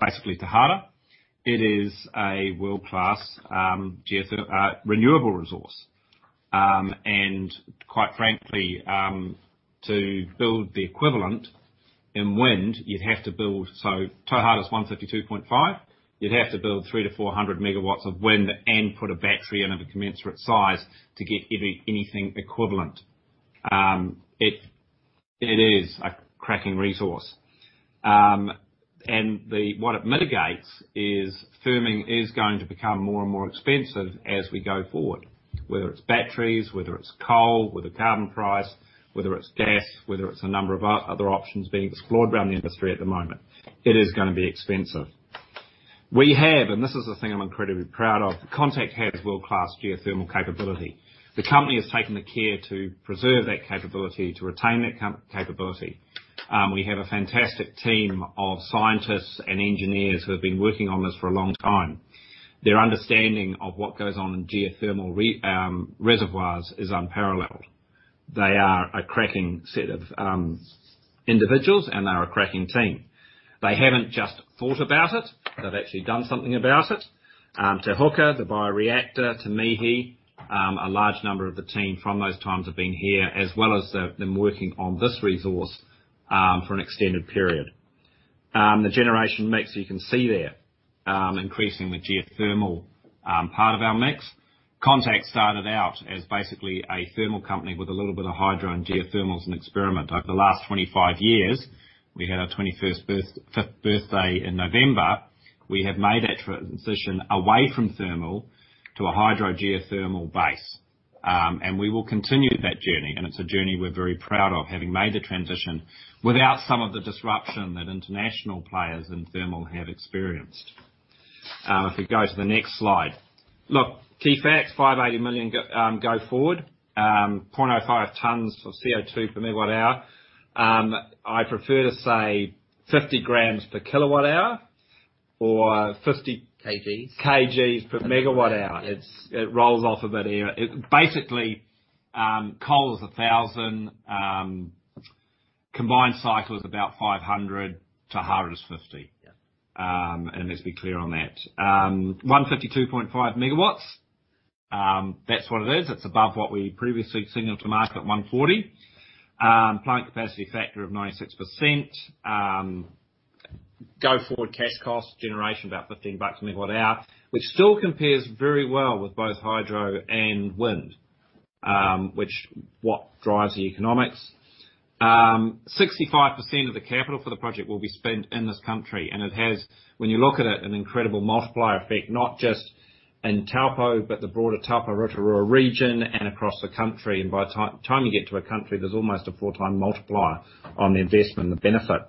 basically Tauhara. It is a world-class renewable resource. Quite frankly, to build the equivalent in wind, you'd have to build Tauhara is 152.5 MW. You'd have to build 300 MW-400 MW of wind and put a battery in of a commensurate size to get anything equivalent. It is a cracking resource. What it mitigates is firming is going to become more and more expensive as we go forward, whether it's batteries, whether it's coal with a carbon price, whether it's gas, whether it's a number of other options being explored around the industry at the moment. It is going to be expensive. We have, and this is the thing I'm incredibly proud of, Contact has world-class geothermal capability. The company has taken the care to preserve that capability, to retain that capability. We have a fantastic team of scientists and engineers who have been working on this for a long time. Their understanding of what goes on in geothermal reservoirs is unparalleled. They are a cracking set of individuals, and they are a cracking team. They haven't just thought about it. They've actually done something about it. Te Huka, the bioreactor, Te Mihi, a large number of the team from those times have been here, as well as them working on this resource for an extended period. The generation mix, you can see there, increasing the geothermal part of our mix. Contact started out as basically a thermal company with a little bit of hydro, and geothermal as an experiment. Over the last 25 years, we had our 25th birthday in November. We have made that transition away from thermal to a hydro geothermal base, we will continue that journey. It's a journey we're very proud of, having made the transition without some of the disruption that international players in thermal have experienced. If we go to the next slide. Look, key facts, 580 million go forward, 0.05 tons of CO2 per megawatt hour. I prefer to say 50 g per kWh. Kgs. Kg per MWh. It rolls off a bit easier. Basically, coal is 1,000, combined cycle is about 500, Tauhara is 50. Yeah. Let's be clear on that. 152.5 MW. That's what it is. It's above what we previously signaled to market, 140 MW. Plant capacity factor of 96%. Go forward cash cost generation, about 15 bucks a MWh. Which still compares very well with both hydro and wind, what drives the economics. 65% of the capital for the project will be spent in this country. It has, when you look at it, an incredible multiplier effect, not just in Taupō, but the broader Taupō, Rotorua region and across the country. By the time you get to a country, there's almost a four-time multiplier on the investment and the benefit.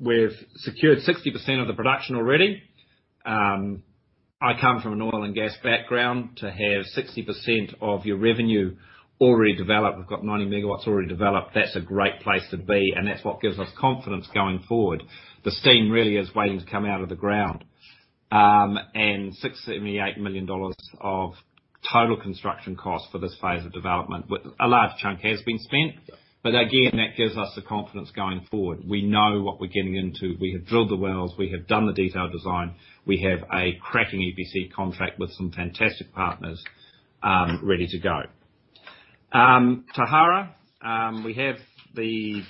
We've secured 60% of the production already. I come from an oil and gas background. To have 60% of your revenue already developed, we've got 90 MW already developed, that's a great place to be, and that's what gives us confidence going forward. The steam really is waiting to come out of the ground. 678 million dollars of total construction cost for this phase of development. A large chunk has been spent Again, that gives us the confidence going forward. We know what we're getting into. We have drilled the wells. We have done the detailed design. We have a cracking EPC contract with some fantastic partners ready to go. Tauhara, we have the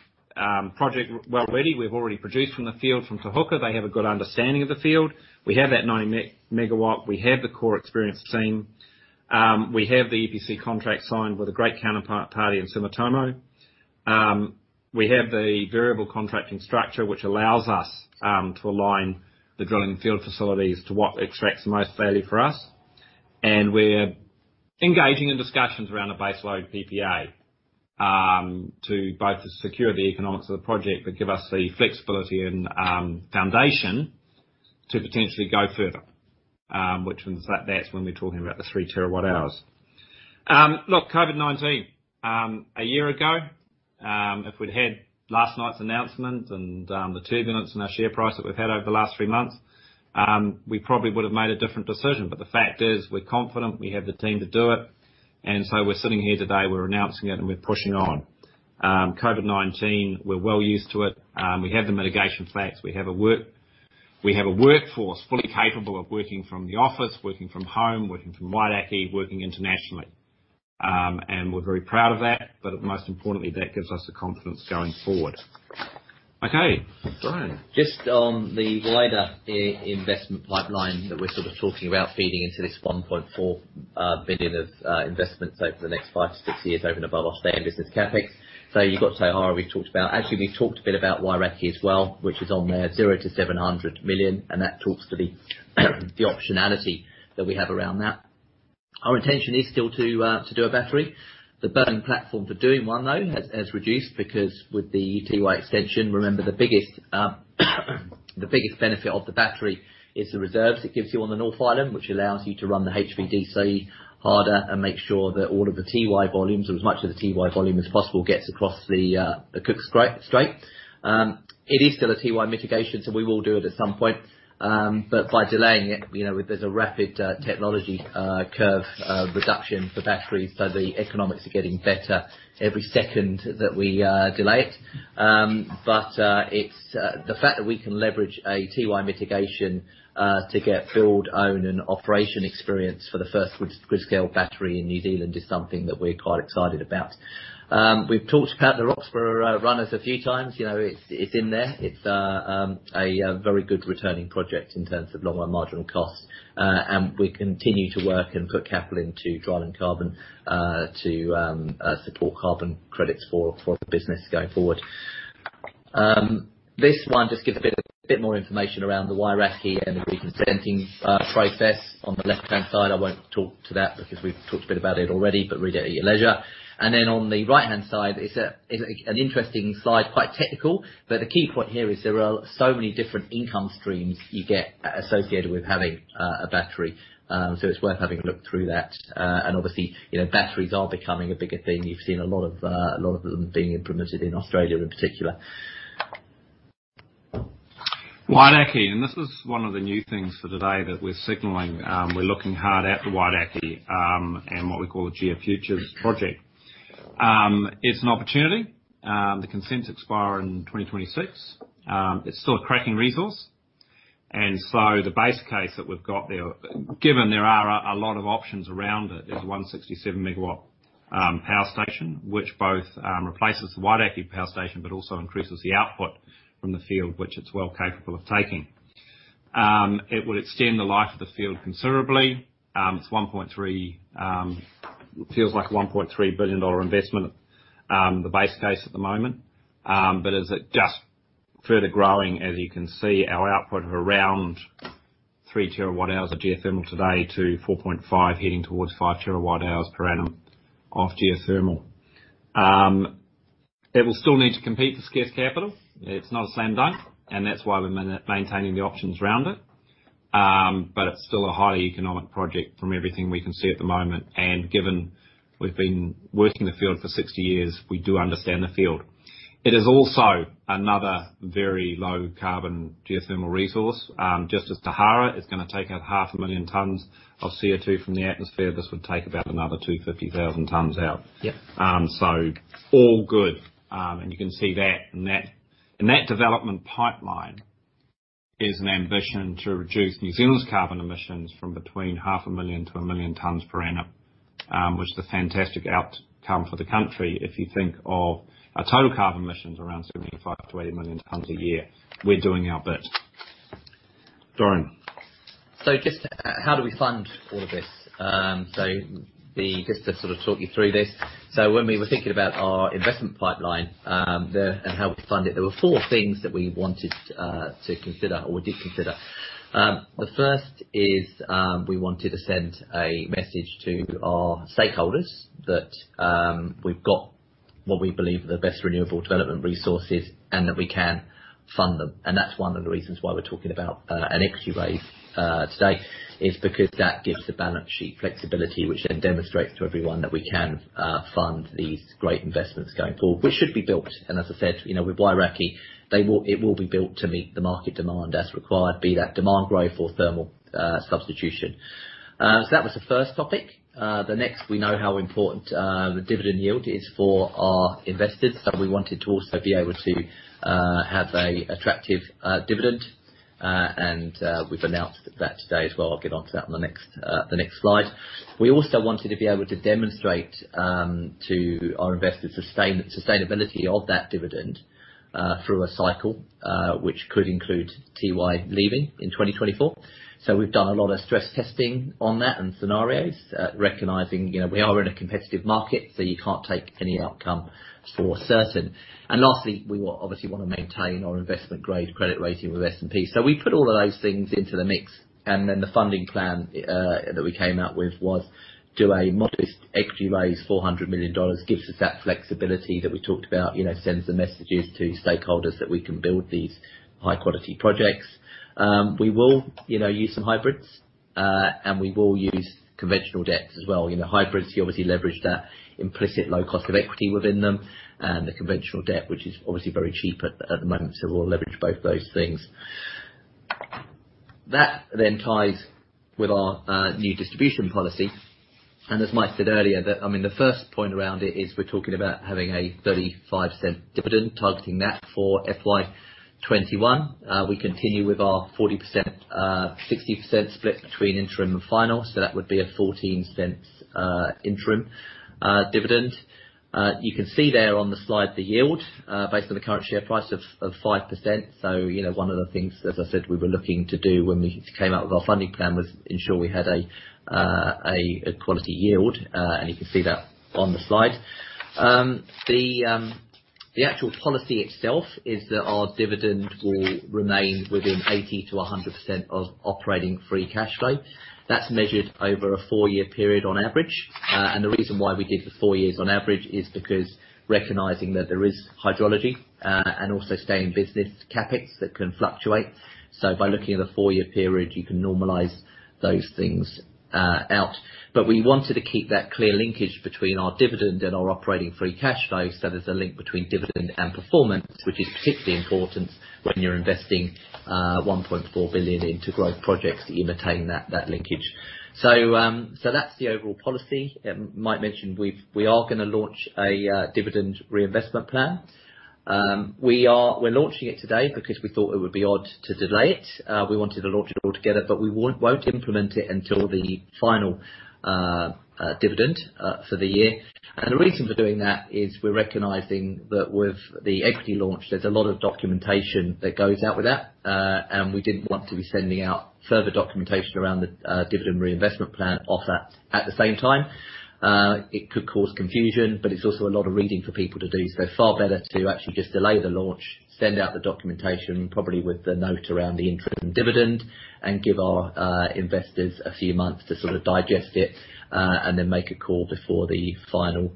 project well ready. We've already produced from the field from Te Huka. They have a good understanding of the field. We have that 90 MW. We have the core experienced team. We have the EPC contract signed with a great counterpart party in Sumitomo. We have the variable contracting structure which allows us to align the drilling field facilities to what extracts the most value for us. We're engaging in discussions around a baseload PPA, to both secure the economics of the project, but give us the flexibility and foundation to potentially go further. That's when we're talking about the 3 TWh. Look, COVID-19, a year ago, if we'd had last night's announcement and the turbulence in our share price that we've had over the last three months, we probably would have made a different decision. The fact is we're confident, we have the team to do it, we're sitting here today, we're announcing it, and we're pushing on. COVID-19, we're well used to it. We have the mitigation facts. We have a workforce fully capable of working from the office, working from home, working from Wairakei, working internationally. We're very proud of that. Most importantly, that gives us the confidence going forward. Okay, Dorian. Just on the wider investment pipeline that we're sort of talking about feeding into this 1.4 billion of investments over the next five to six years over and above our stay in business CapEx. You've got Tauhara we've talked about. Actually, we talked a bit about Wairakei as well, which is on there, 0-700 million, and that talks to the optionality that we have around that. Our intention is still to do a battery. The platform for doing one, though, has reduced because with the Tiwai extension, remember, the biggest benefit of the battery is the reserves it gives you on the North Island, which allows you to run the HVDC harder and make sure that all of the Tiwai volumes or as much of the Tiwai volume as possible gets across the Cook Strait. It is still a Tiwai mitigation. We will do it at some point. By delaying it, there's a rapid technology curve reduction for batteries. The economics are getting better every second that we delay it. The fact that we can leverage a Tiwai mitigation to get build, own, and operation experience for the first grid-scale battery in New Zealand is something that we're quite excited about. We've talked about the Roxburgh turbine runners a few times. It's in there. It's a very good returning project in terms of long-run marginal costs. We continue to work and put capital into Drylandcarbon to support carbon credits for the business going forward. This one just gives a bit more information around the Wairakei and the re-consenting process. On the left-hand side, I won't talk to that because we've talked a bit about it already, but read it at your leisure. On the right-hand side, it's an interesting slide, quite technical, but the key point here is there are so many different income streams you get associated with having a battery. It's worth having a look through that. Obviously, batteries are becoming a bigger thing. You've seen a lot of them being implemented in Australia in particular. Wairakei. This is one of the new things for today that we're signaling. We're looking hard at the Wairakei, and what we call a GeoFuture project. It's an opportunity. The consents expire in 2026. It's still a cracking resource. The base case that we've got there, given there are a lot of options around it, is 167 MW power station, which both replaces the Wairakei Power Station, but also increases the output from the field, which it's well capable of taking. It will extend the life of the field considerably. It feels like a 1.3 billion dollar investment, the base case at the moment. As it just further growing, as you can see, our output of around 3 TWh of geothermal today to 4.5 TWh heading towards 5 TWh per annum of geothermal. It will still need to compete for scarce capital. It's not a slam dunk, and that's why we're maintaining the options around it. It's still a highly economic project from everything we can see at the moment. Given we've been working the field for 60 years, we do understand the field. It is also another very low carbon geothermal resource. Just as Tauhara is going to take out half a million tons of CO2 from the atmosphere, this would take about another 250,000 tons out. Yep. All good. You can see that. In that development pipeline is an ambition to reduce New Zealand's carbon emissions from between 500,000 tons-1 million tons per annum, which is a fantastic outcome for the country if you think of our total carbon emissions around 75 million-80 million tons a year. We're doing our bit. Dorian. Just how do we fund all of this? Just to sort of talk you through this. When we were thinking about our investment pipeline, and how we fund it, there were four things that we wanted to consider or did consider. The first is we wanted to send a message to our stakeholders that we've got what we believe are the best renewable development resources and that we can fund them. That's one of the reasons why we're talking about an equity raise today is because that gives the balance sheet flexibility, which then demonstrates to everyone that we can fund these great investments going forward, which should be built. As I said, with Wairakei, it will be built to meet the market demand as required, be that demand growth or thermal substitution. That was the first topic. We know how important the dividend yield is for our investors. We wanted to also be able to have an attractive dividend, and we've announced that today as well. I'll get onto that on the next slide. We also wanted to be able to demonstrate to our investors sustainability of that dividend through a cycle, which could include Tiwai leaving in 2024. We've done a lot of stress testing on that and scenarios, recognizing we are in a competitive market, so you can't take any outcome for certain. Lastly, we obviously want to maintain our investment-grade credit rating with S&P. We put all of those things into the mix. The funding plan that we came up with was do a modest equity raise, 400 million dollars, gives us that flexibility that we talked about, sends the messages to stakeholders that we can build these high-quality projects. We will use some hybrids. We will use conventional debts as well. Hybrids, you obviously leverage that implicit low cost of equity within them and the conventional debt, which is obviously very cheap at the moment. We'll leverage both those things. That ties with our new distribution policy. As Mike said earlier, the first point around it is we're talking about having a 0.35 dividend targeting that for FY 2021. We continue with our 40%-60% split between interim and final. That would be a 0.14 interim dividend. You can see there on the slide the yield based on the current share price of 5%. One of the things, as I said, we were looking to do when we came out with our funding plan was ensure we had a quality yield. You can see that on the slide. The actual policy itself is that our dividend will remain within 80%-100% of operating free cash flow. That's measured over a four-year period on average. The reason why we did the four years on average is because recognizing that there is hydrology, and also staying business CapEx that can fluctuate. By looking at a four-year period, you can normalize those things out. We wanted to keep that clear linkage between our dividend and our operating free cash flow. There's a link between dividend and performance, which is particularly important when you're investing 1.4 billion into growth projects that you maintain that linkage. That's the overall policy. Mike mentioned we are going to launch a dividend reinvestment plan. We're launching it today because we thought it would be odd to delay it. We wanted to launch it all together, but we won't implement it until the final dividend for the year. The reason for doing that is we're recognizing that with the equity launch, there's a lot of documentation that goes out with that. We didn't want to be sending out further documentation around the dividend reinvestment plan off that at the same time. It could cause confusion, but it's also a lot of reading for people to do. Far better to actually just delay the launch, send out the documentation probably with the note around the interim dividend and give our investors a few months to sort of digest it, and then make a call before the final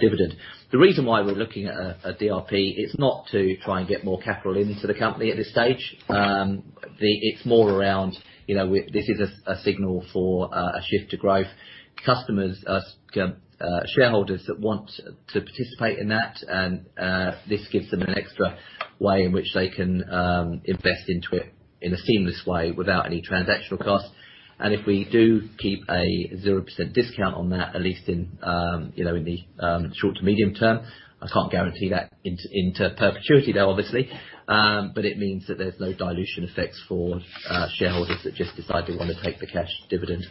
dividend. The reason why we're looking at a DRP is not to try and get more capital into the company at this stage. It's more around this is a signal for a shift to growth. Shareholders that want to participate in that, this gives them an extra way in which they can invest into it in a seamless way without any transactional cost. If we do keep a 0% discount on that, at least in the short to medium term, I can't guarantee that into perpetuity though, obviously. It means that there's no dilution effects for shareholders that just decide they want to take the cash dividend.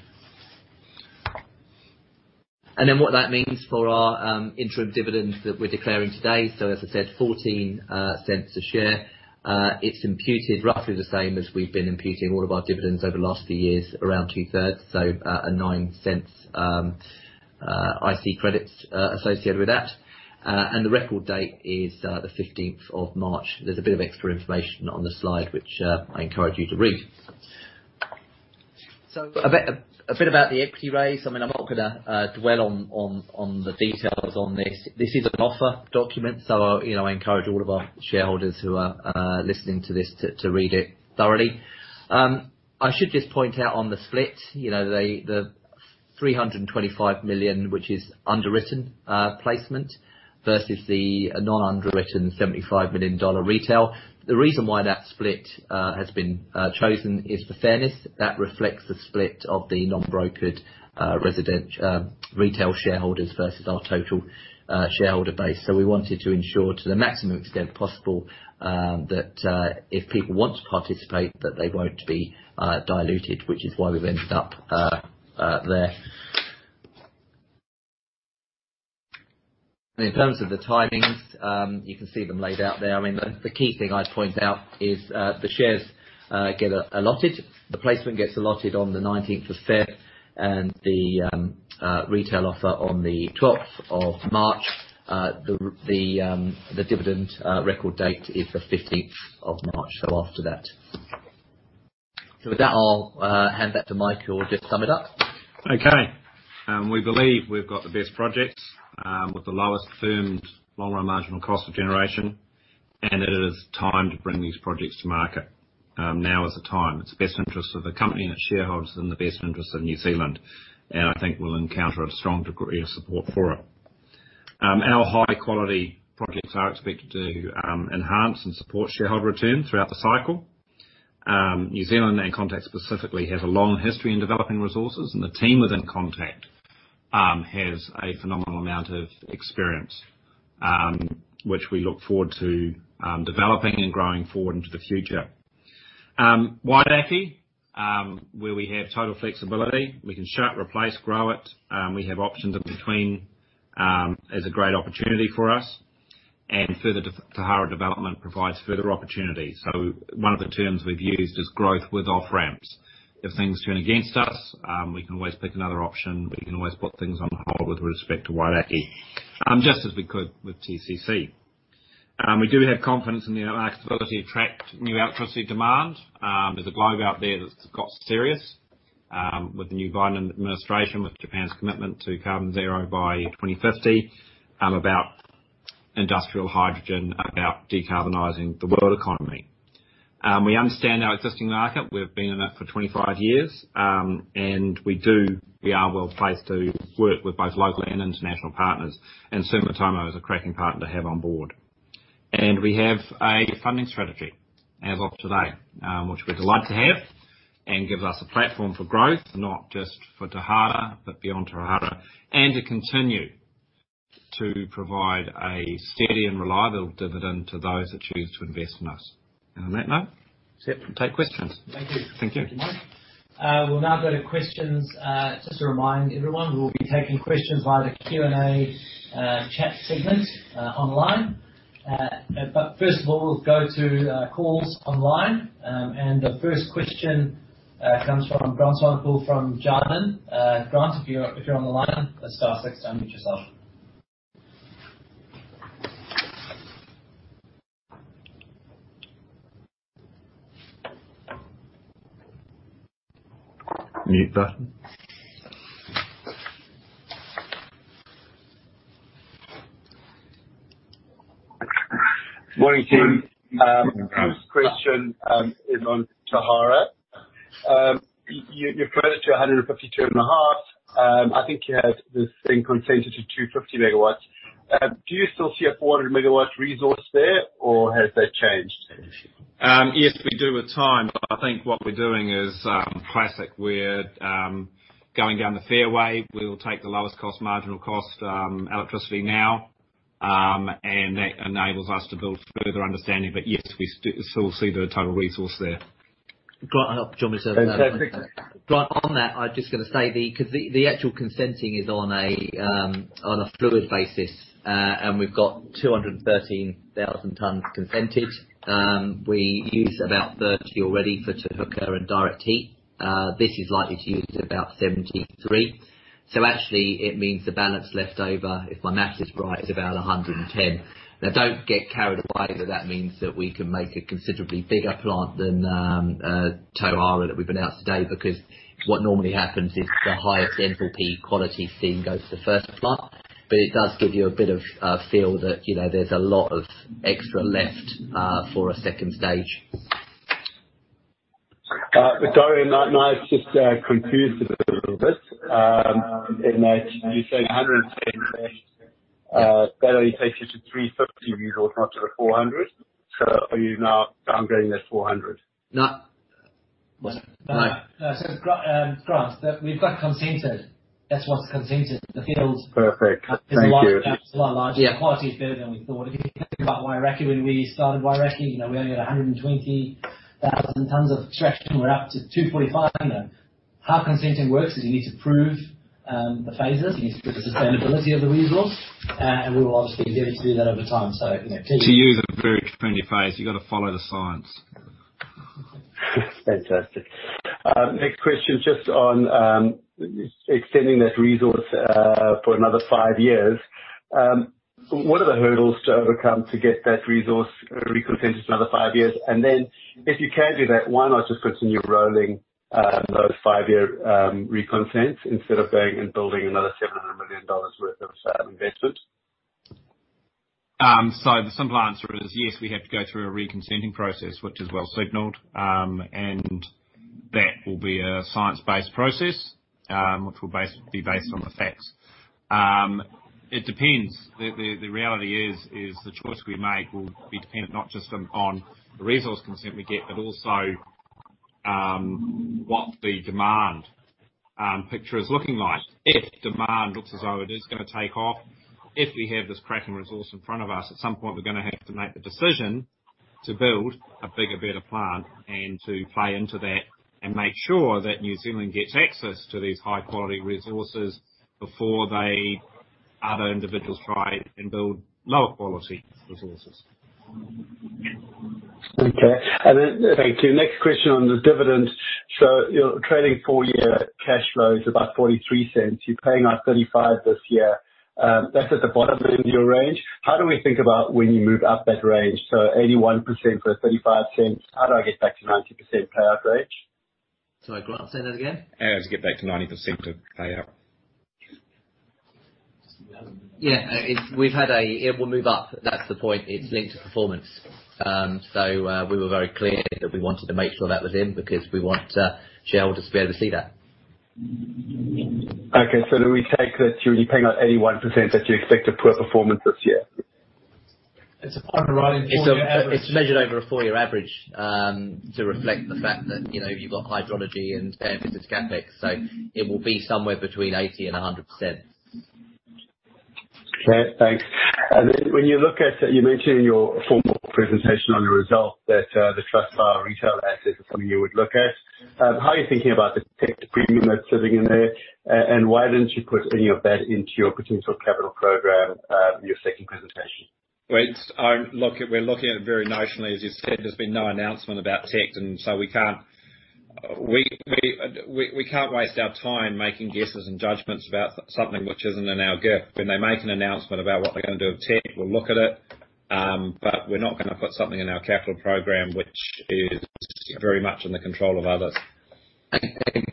What that means for our interim dividend that we're declaring today. As I said, 0.14 a share. It's imputed roughly the same as we've been imputing all of our dividends over the last few years, around 2/3. A 0.09 IC credits associated with that. The record date is the 15th of March. There's a bit of extra information on the slide which I encourage you to read. A bit about the equity raise. I'm not going to dwell on the details on this. This is an offer document. I encourage all of our shareholders who are listening to this to read it thoroughly. I should just point out on the split, the 325 million, which is underwritten placement versus the non-underwritten 75 million dollar retail. The reason why that split has been chosen is for fairness. That reflects the split of the non-brokered retail shareholders versus our total shareholder base. We wanted to ensure to the maximum extent possible, that if people want to participate, that they won't be diluted, which is why we've ended up there. In terms of the timings, you can see them laid out there. The key thing I'd point out is the shares get allotted. The placement gets allotted on the 19th of fifth, and the retail offer on the 12th of March. The dividend record date is the 15th of March. After that. With that, I'll hand back to Mike who will just sum it up. Okay. We believe we've got the best projects, with the lowest firmed long run marginal cost of generation. It is time to bring these projects to market. Now is the time. It's the best interest of the Company and its shareholders and the best interest of New Zealand, and I think we'll encounter a strong degree of support for it. Our high-quality projects are expected to enhance and support shareholder return throughout the cycle. New Zealand, and Contact specifically, has a long history in developing resources, and the team within Contact has a phenomenal amount of experience, which we look forward to developing and growing forward into the future. Wairakei, where we have total flexibility, we can shut, replace, grow it, we have options in between, is a great opportunity for us, and further Ahuroa development provides further opportunity. One of the terms we've used is growth with off-ramps. If things turn against us, we can always pick another option. We can always put things on hold with respect to Wairakei, just as we could with TCC. We do have confidence in the ability to attract new electricity demand. There's a globe out there that's got serious with the new Biden administration, with Japan's commitment to carbon zero by 2050, about industrial hydrogen, about decarbonizing the world economy. We understand our existing market. We've been in it for 25 years. We are well-placed to work with both local and international partners. Sumitomo is a cracking partner to have on board. We have a funding strategy as of today, which we're delighted to have and gives us a platform for growth, not just for Tauhara but beyond Tauhara. To continue to provide a steady and reliable dividend to those that choose to invest in us. On that note, set to take questions. Thank you. Thank you. Thank you, Mike. We'll now go to questions. Just to remind everyone, we will be taking questions via the Q&A chat segment online. First of all, we'll go to calls online. The first question comes from Grant Swanepoel from Jarden. Grant, if you're on the line, press star six to unmute yourself. Mute button. Morning, team. First question is on Tauhara. You referred to 152.5 MW. I think you had this thing consented to 250 MW. Do you still see a 400 MW resource there, or has that changed? Yes, we do with time. I think what we're doing is classic. We're going down the fairway. We will take the lowest cost, marginal cost electricity now, and that enables us to build further understanding. Yes, we still see the total resource there. Grant, do you want me to. That's perfect. Grant, on that, I'm just going to say, because the actual consenting is on a fluid basis. We've got 213,000 tons consented. We use about 30 already for Te Huka and direct heat. This is likely to use about 73. Actually, it means the balance left over, if my math is right, is about 110. Don't get carried away that that means that we can make a considerably bigger plant than Tauhara that we've announced today, because what normally happens is the highest entropy quality steam goes to the first plant. It does give you a feel that there's a lot of extra left for a second stage. Sorry, now it's just confused me a little bit, in that you're saying 110, that only takes you to 350 resource, not to the 400 MW. Are you now downgrading that 400 MW? No. No. No. Grant, we've got consented. That's what's consented. The fields- Perfect. Thank you. It's a lot larger. The quality is better than we thought. If you think about Wairakei when we started Wairakei, we only had 120,000 tons of extraction. We're up to 245 now. How consenting works is you need to prove the phases. You need to prove the sustainability of the resource. We will obviously be able to do that over time. You know. To use a very trendy phrase, you've got to follow the science. Fantastic. Next question just on extending that resource for another five years. What are the hurdles to overcome to get that resource reconsented for another five years? If You can do that, why not just continue rolling those five-year reconsents instead of going and building another 700 million dollars worth of investment? The simple answer is yes, we have to go through a reconsenting process, which is well signaled. That will be a science-based process, which will be based on the facts. It depends. The reality is the choice we make will be dependent not just on the resource consent we get, but also what the demand picture is looking like. If demand looks as though it is going to take off, if we have this cracking resource in front of us, at some point, we're going to have to make the decision to build a bigger, better plant and to play into that and make sure that New Zealand gets access to these high-quality resources before other individuals try and build lower quality resources. Okay. Thank you. Next question on the dividend. You're trading full year cash flows, about 0.43. You're paying out 0.35 this year. That's at the bottom end of your range. How do we think about when you move up that range? 81% for 0.35. How do I get back to 90% payout range? Sorry, Grant, say that again. How does it get back to 90% of payout? Yeah. It will move up. That's the point. It's linked to performance. We were very clear that we wanted to make sure that was in because we want shareholders to be able to see that. Okay. Do we take that you're only paying out 81%, that you expect a poor performance this year? It's a part of riding four-year average. It's measured over a four-year average to reflect the fact that you've got hydrology and CapEx. It will be somewhere between 80% and 100%. Okay, thanks. You mentioned in your formal presentation on the results that the trust retail assets are something you would look at. How are you thinking about the TECT premium that's sitting in there, and why didn't you put any of that into your potential capital program in your second presentation? We're looking at it very notionally. As you said, there's been no announcement about TECT, we can't waste our time making guesses and judgments about something which isn't in our gift. When they make an announcement about what they're going to do with TECT, we'll look at it. We're not going to put something in our capital program which is very much in the control of others.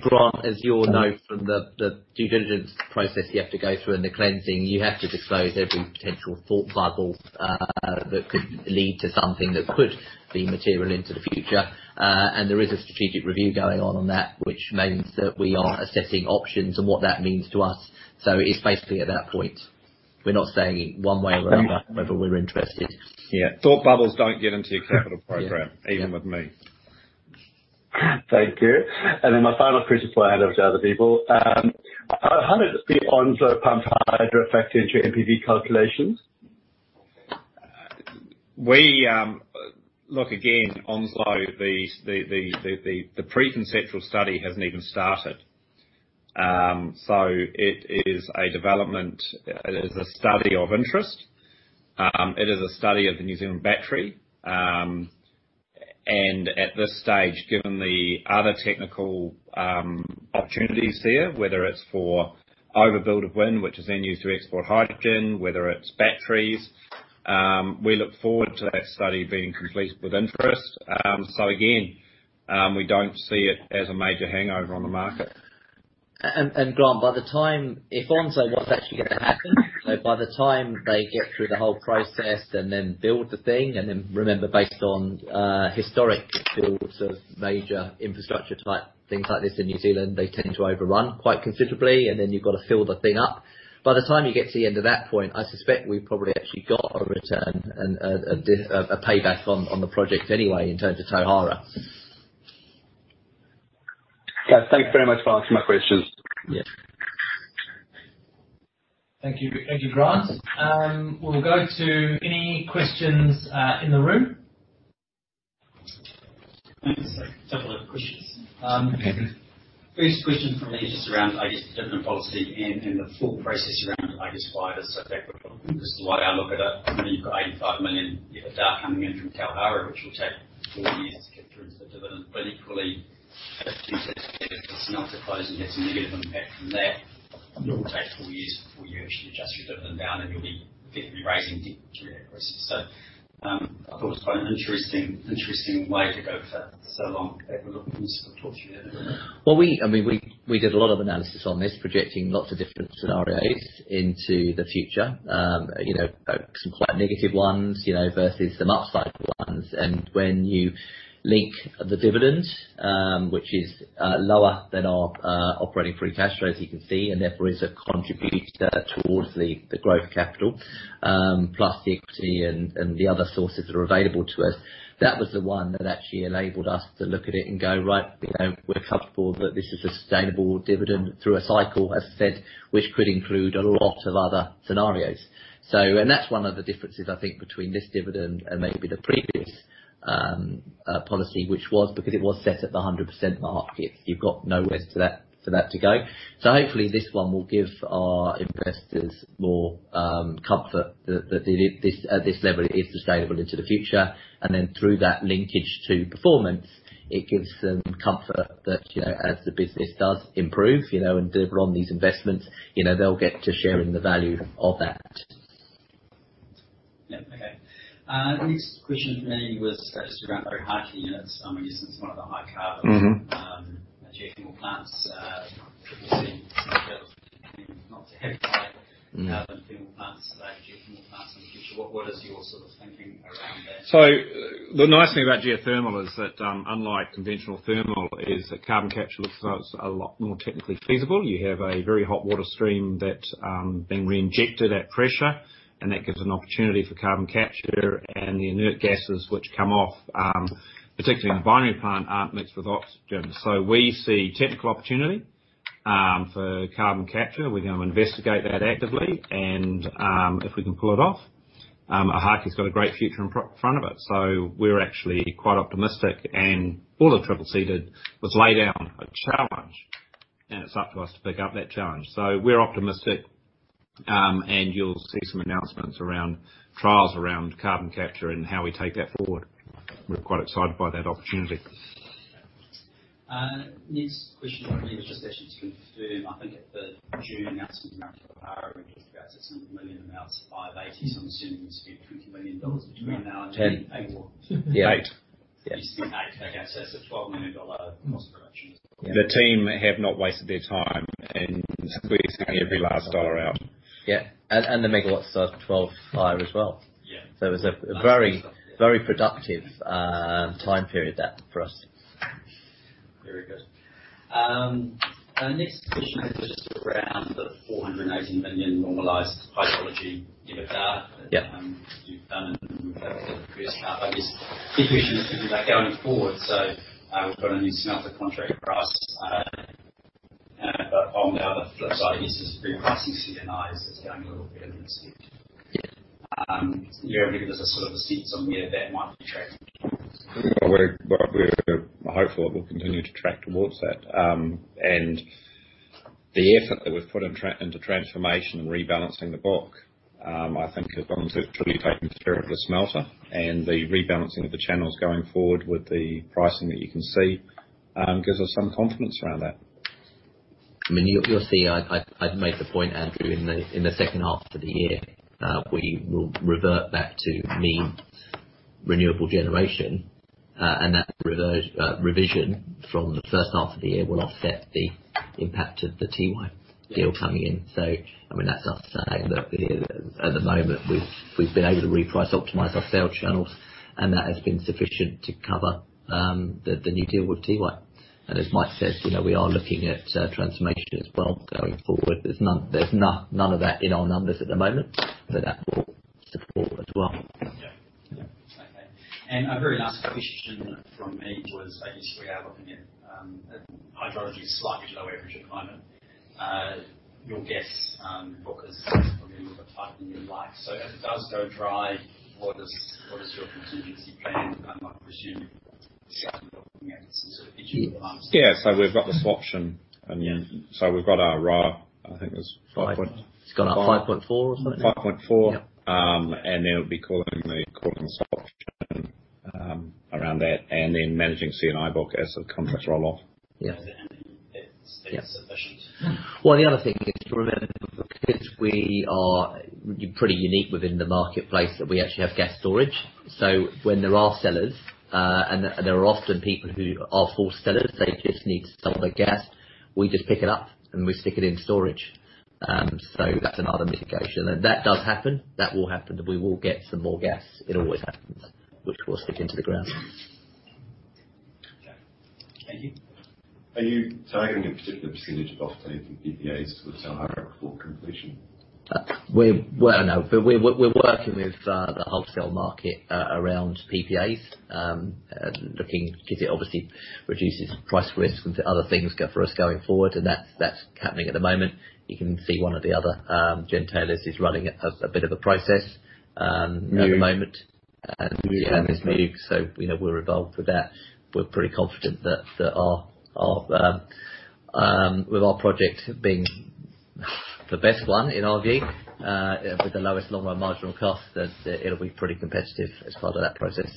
Grant, as you all know from the due diligence process you have to go through and the cleansing, you have to disclose every potential thought bubble that could lead to something that could be material into the future. There is a strategic review going on on that, which means that we are assessing options and what that means to us. It is basically at that point. We're not saying one way or another whether we're interested. Yeah. Thought bubbles don't get into your capital program, even with me. Thank you. My final question before I hand over to other people. How does the Onslow pump hydro affect your NPV calculations? Look, again, Onslow, the pre-conceptual study hasn't even started. It is a development. It is a study of interest. It is a study of the New Zealand battery. At this stage, given the other technical opportunities there, whether it's for overbuild of wind, which is then used to export hydrogen, whether it's batteries, we look forward to that study being completed with interest. Again, we don't see it as a major hangover on the market. Grant, if Onslow was actually going to happen, so by the time they get through the whole process and then build the thing, and then remember based on historic builds of major infrastructure type things like this in New Zealand, they tend to overrun quite considerably, and then you've got to fill the thing up. By the time you get to the end of that point, I suspect we've probably actually got a return and a payback on the project anyway in terms of Tauhara. Yeah. Thank you very much for answering my questions. Yes. Thank you, Grant. We'll go to any questions in the room. A couple of questions. First question from me is just around, I guess, dividend policy and the full process around it. I guess why it is so backward looking. Just the way I look at it, you've got 85 million EBITDA coming in from Tauhara, which will take four years to cut through into the dividend, but equally, if you take Smelter closing has a negative impact from that, it will take four years before you actually adjust your dividend down and you'll be effectively raising debt during that process. I thought it was quite an interesting way to go for so long. Happy to look and talk through that a bit more. We did a lot of analysis on this, projecting lots of different scenarios into the future. Some quite negative ones versus the market cycle ones. When you link the dividend, which is lower than our operating free cash flow, as you can see, and therefore is a contributor towards the growth capital, plus the equity and the other sources that are available to us. That was the one that actually enabled us to look at it and go, right, we're comfortable that this is a sustainable dividend through a cycle, as I said, which could include a lot of other scenarios. That's one of the differences, I think, between this dividend and maybe the previous policy, which was because it was set at the 100% mark. You've got nowhere for that to go. Hopefully, this one will give our investors more comfort that at this level, it is sustainable into the future. Through that linkage to performance, it gives them comfort that as the business does improve and deliver on these investments, they'll get to sharing the value of that. Yeah. Okay. Next question for me was just around Ohaaki units. I mean, this is one of the high carbon geothermal plants. Obviously, Smelter not to have high carbon thermal plants today, geothermal plants in the future. What is your thinking around that? The nice thing about geothermal is that unlike conventional thermal is that carbon capture looks like it's a lot more technically feasible. You have a very hot water stream that's being reinjected at pressure, and that gives an opportunity for carbon capture and the inert gases which come off, particularly in a binary plant, aren't mixed with oxygen. We see technical opportunity for carbon capture. We're going to investigate that actively. If we can pull it off, Ohaaki has got a great future in front of it. We're actually quite optimistic. All that CCC did was lay down a challenge, and it's up to us to pick up that challenge. We're optimistic, and you'll see some announcements around trials around carbon capture and how we take that forward. We're quite excited by that opportunity. Next question for me is just actually to confirm, I think at the June announcement around Tauhara, we talked about NZD 7 million, and now it is NZD 580. I am assuming you spent 20 million dollars between now and June. Ten. Eight. Eight. Yeah. You said eight. Okay. It's a 12 million dollar cost reduction. The team have not wasted their time, and we're squeezing every last dollar out. Yeah. The megawatts are 12.5 MW as well. Yeah. It was a very productive time period that for us. Very good. Next question is just around the 480 million normalized hydrology EBITDA. Yeah that you've done in the previous half. I guess the question is, can you do that going forward? We've got a new smelter contract price. On the other flip side, I guess there's been pricing CNI is going a little better than expected. Do you have any sort of a sense on where that might be tracking? We're hopeful it will continue to track towards that. The effort that we've put into transformation and rebalancing the book, I think has gone to truly taking care of the smelter and the rebalancing of the channels going forward with the pricing that you can see, gives us some confidence around that. You'll see, I'd make the point, Andrew, in the second half of the year, we will revert back to mean renewable generation, and that revision from the first half of the year will offset the impact of the Tiwai deal coming in. That's us saying that at the moment, we've been able to reprice optimize our sale channels, and that has been sufficient to cover the new deal with Tiwai. As Mike says, we are looking at transformation as well going forward. There's none of that in our numbers at the moment, but that will support as well. Yeah. Okay. A very last question from me was, obviously we are looking at hydrology slightly below average at the moment. Your gas book is a little bit tighter than you'd like. If it does go dry, what is your contingency plan? I might presume you've got to be slightly looking at some sort of. Yeah, we've got the swaption. We've got our right, I think it was. It's got our 5.4 or something. 5.4. Yep. We'll be calling the swaption around that and then managing C&I book as the contracts roll off. Yeah. It's sufficient. Well, the other thing is to remember, because we are pretty unique within the marketplace that we actually have gas storage. When there are sellers, and there are often people who are forced sellers, they just need to sell their gas. We just pick it up and we stick it in storage. That's another mitigation. That does happen. That will happen, and wea will get some more gas. It always happens, which we'll stick into the ground. Okay. Thank you. Are you targeting a particular percentage of offtake from PPAs for Tauhara before completion? Well, no, but we're working with the wholesale market around PPAs, looking, because it obviously reduces price risk and other things for us going forward, and that's happening at the moment. You can see one of the other gentailers is running a bit of a process at the moment. New. Yeah. It's new. We're involved with that. We're pretty confident that with our project being the best one in our view, with the lowest long-run marginal cost, that it'll be pretty competitive as part of that process.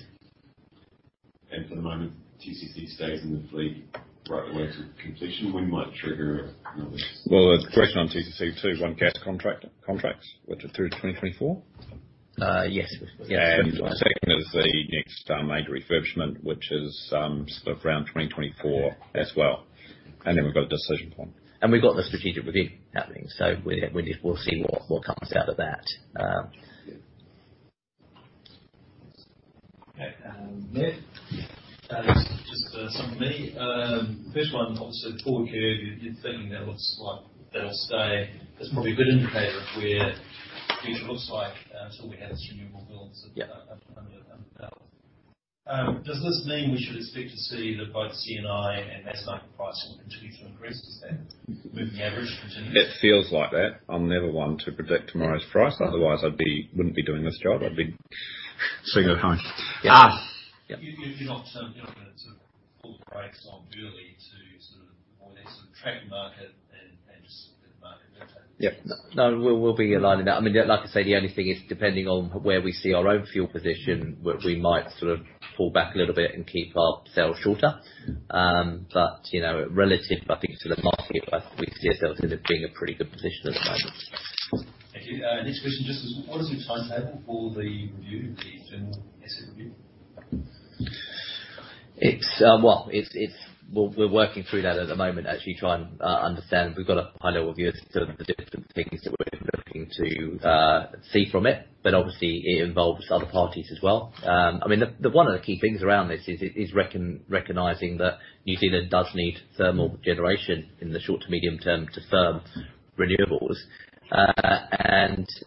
For the moment, TCC stays in the fleet right the way to completion? Well, there's pressure on TCC too. It's on gas contracts, which are through to 2024. Yes. Second is the next major refurbishment, which is sort of around 2024 as well. Then we've got a decision point. We've got the strategic review happening. We'll see what comes out of that. Okay. Ned. Yeah. Just some from me. First one, obviously, Tauhara, you're thinking that looks like that'll stay. That's probably a good indicator of where future looks like until we have this renewable build-. Yeah. under development. Does this mean we should expect to see that both C&I and base market pricing will continue to increase? Does that moving average continue? It feels like that. I'm never one to predict tomorrow's price, otherwise I wouldn't be doing this job. I'd be sitting at home. Yes. You're not going to pull the brakes on early to sort of more or less track market and just let the market dictate? Yeah. No, we'll be aligning that. Like I say, the only thing is, depending on where we see our own fuel position, we might sort of pull back a little bit and keep our sales shorter. Relative, I think to the market, I think we see ourselves in being in a pretty good position at the moment. Thank you. Next question, just what is your timetable for the review, the general asset review? Well, we're working through that at the moment, actually trying to understand. We've got a high-level view of sort of the different things that we're looking to see from it. Obviously, it involves other parties as well. One of the key things around this is recognizing that New Zealand does need thermal generation in the short to medium-term to firm renewables.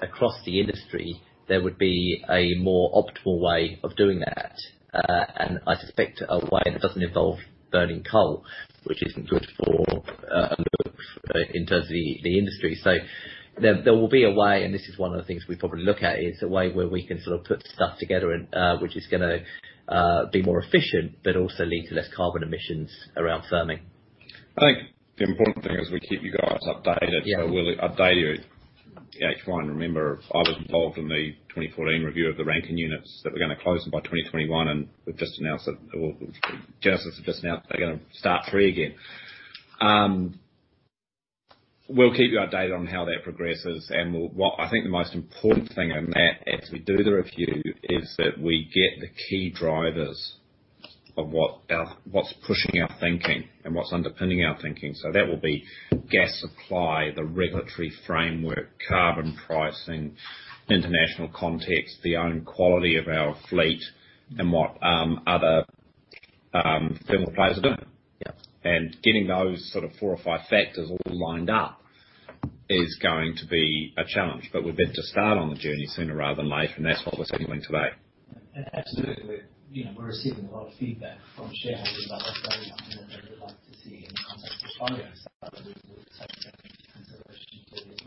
Across the industry, there would be a more optimal way of doing that. I suspect a way that doesn't involve burning coal, which isn't good for in terms of the industry. There will be a way, and this is one of the things we probably look at, is a way where we can put stuff together which is going to be more efficient, but also lead to less carbon emissions around firming. I think the important thing is we keep you guys updated. We'll update you at H1. Remember, I was involved in the 2014 review of the Rankine units that we're going to close them by 2021. Genesis have just announced they're going to start three again. We'll keep you updated on how that progresses. What I think the most important thing in that as we do the review is that we get the key drivers of what's pushing our thinking and what's underpinning our thinking. That will be gas supply, the regulatory framework, carbon pricing, international context, the own quality of our fleet, and what other thermal players are doing. Getting those sort of four or five factors all lined up is going to be a challenge, but we're bent to start on the journey sooner rather than later, and that's what we're signaling today. Absolutely. We're receiving a lot of feedback from shareholders about that going on and what they would like to see in the contract portfolio. We'll take that into consideration going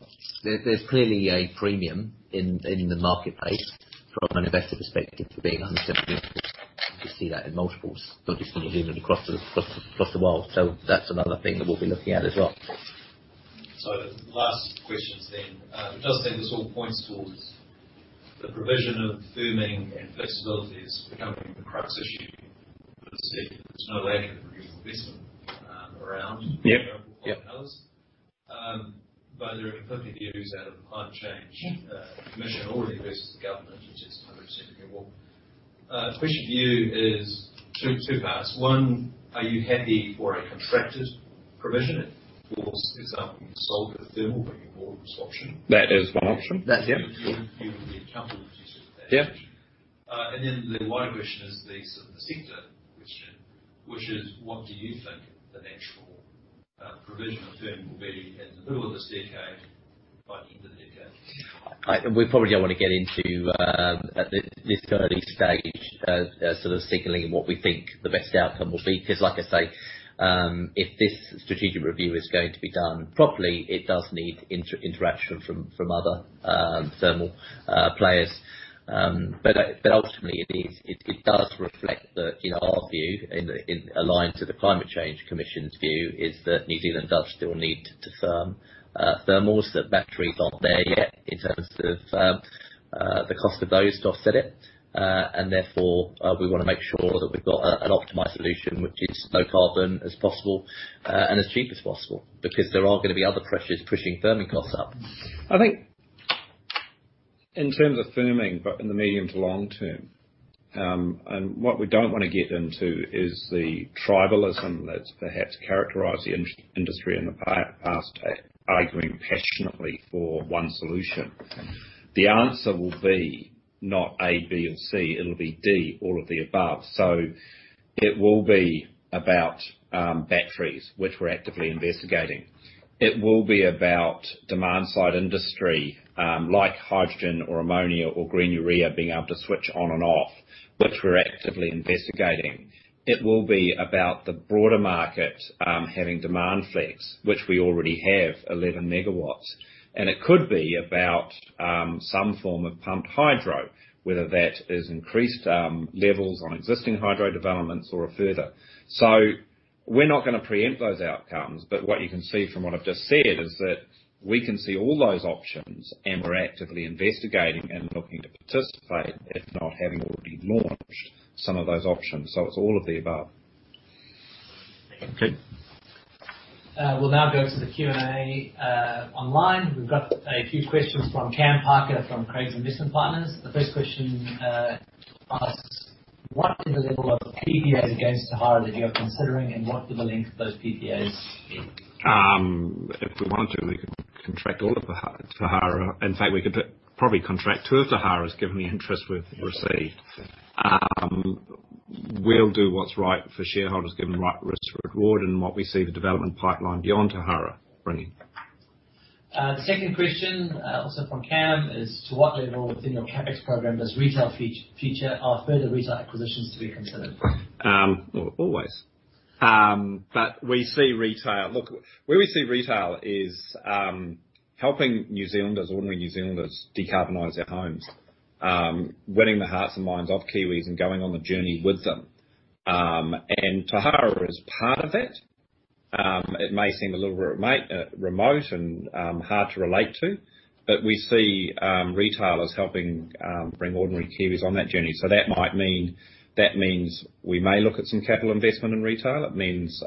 forward. There's clearly a premium in the marketplace from an investor perspective for being under 70. You see that in multiples, not just New Zealand, across the world. That's another thing that we'll be looking at as well. Last questions then. The provision of firming and flexibility is becoming the crux issue. As you said, there's no lack of review investment around- Yep. renewable power hours. There are conflicting views out of the Climate Change Commission, all the advice to the government, which is 100% renewable. The question view is two parts. One, are you happy for a contracted provision? For example, you sold the thermal, but you bought. That is one option. That's it. You will be accountable to us with that answer. Yeah. The wider question is the sector question, which is what do you think the natural provision of firm will be in the middle of this decade by the end of the decade? We probably don't want to get into at this early stage sort of signaling what we think the best outcome will be. Like I say, if this strategic review is going to be done properly, it does need interaction from other thermal players. Ultimately, it does reflect that in our view and aligned to the Climate Change Commission's view, is that New Zealand does still need thermals, that batteries aren't there yet in terms of the cost of those to offset it. Therefore, we want to make sure that we've got an optimized solution which is low carbon as possible, and as cheap as possible, because there are going to be other pressures pushing firming costs up. I think in terms of firming, in the medium to long-term, what we don't want to get into is the tribalism that's perhaps characterized the industry in the past at arguing passionately for one solution. The answer will be not A, B, or C, it'll be D, all of the above. It will be about batteries, which we're actively investigating. It will be about demand-side industry, like hydrogen or ammonia or green urea being able to switch on and off, which we're actively investigating. It will be about the broader market, having demand flex, which we already have 11 MW. It could be about some form of pumped hydro, whether that is increased levels on existing hydro developments or further. We're not going to preempt those outcomes, but what you can see from what I've just said is that we can see all those options, and we're actively investigating and looking to participate, if not having already launched some of those options. It's all of the above. We'll now go to the Q&A online. We've got a few questions from Cam Parker from Craigs Investment Partners. The first question asks, what is the level of PPAs against Tauhara that you are considering, and what are the length of those PPAs? If we wanted to, we could contract all of Tauhara. In fact, we could probably contract two of Tauharas, given the interest we've received. We'll do what's right for shareholders, given the right risk reward and what we see the development pipeline beyond Tauhara bringing. The second question, also from Cam, is to what level within your CapEx program does retail feature or further retail acquisitions to be considered? Always. Where we see retail is helping New Zealanders, ordinary New Zealanders, decarbonize their homes. Winning the hearts and minds of Kiwis and going on the journey with them. Tauhara is part of it. It may seem a little remote and hard to relate to, but we see retail as helping bring ordinary Kiwis on that journey. That means we may look at some capital investment in retail. It means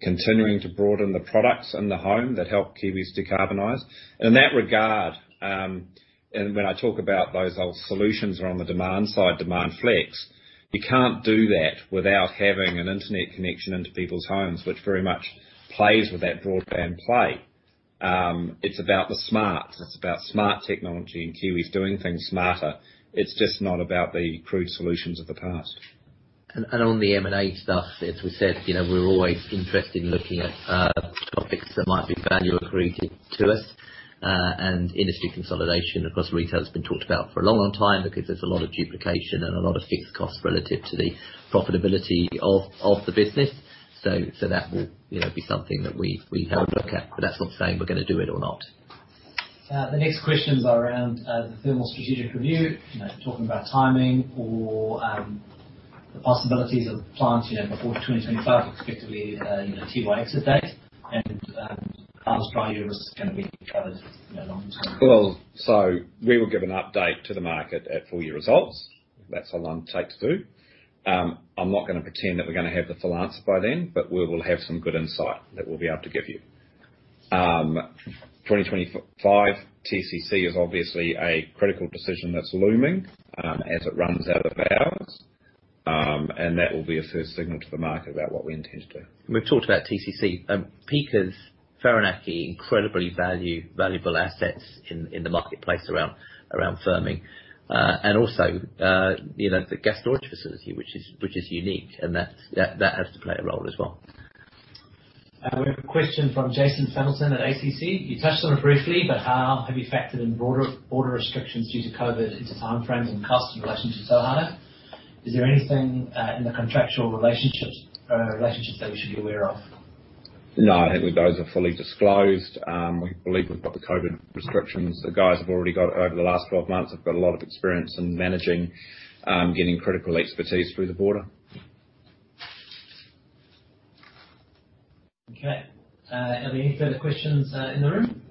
continuing to broaden the products in the home that help Kiwis decarbonize. In that regard, and when I talk about those solutions are on the demand side, demand flex, you can't do that without having an internet connection into people's homes, which very much plays with that broadband play. It's about the smart. It's about smart technology and Kiwis doing things smarter. It's just not about the crude solutions of the past. On the M&A stuff, as we said, we're always interested in looking at topics that might be value accretive to us. Industry consolidation, across retail has been talked about for a long, long time because there's a lot of duplication and a lot of fixed costs relative to the profitability of the business. That will be something that we look at, but that's not saying we're going to do it or not. The next questions are around the thermal strategic review, talking about timing or the possibilities of plants before the 2025 expectedly Tiwai exit date and how those priority risks are going to be covered long term. We will give an update to the market at full year results. That's how long it takes to do. I'm not going to pretend that we're going to have the full answer by then, but we will have some good insight that we'll be able to give you. 2025 TCC is obviously a critical decision that's looming as it runs out of hours, and that will be a first signal to the market about what we intend to do. We've talked about TCC. Peakers, Whirinaki, incredibly valuable assets in the marketplace around firming. Also, the gas storage facility, which is unique, and that has to play a role as well. We have a question from Jason Familton at ACC. You touched on it briefly, but how have you factored in border restrictions due to COVID into time frames and costs in relation to Tauhara? Is there anything in the contractual relationships that we should be aware of? I think those are fully disclosed. We believe we've got the COVID restrictions. The guys have already got over the last 12 months, have got a lot of experience in managing getting critical expertise through the border. Okay. Are there any further questions in the room?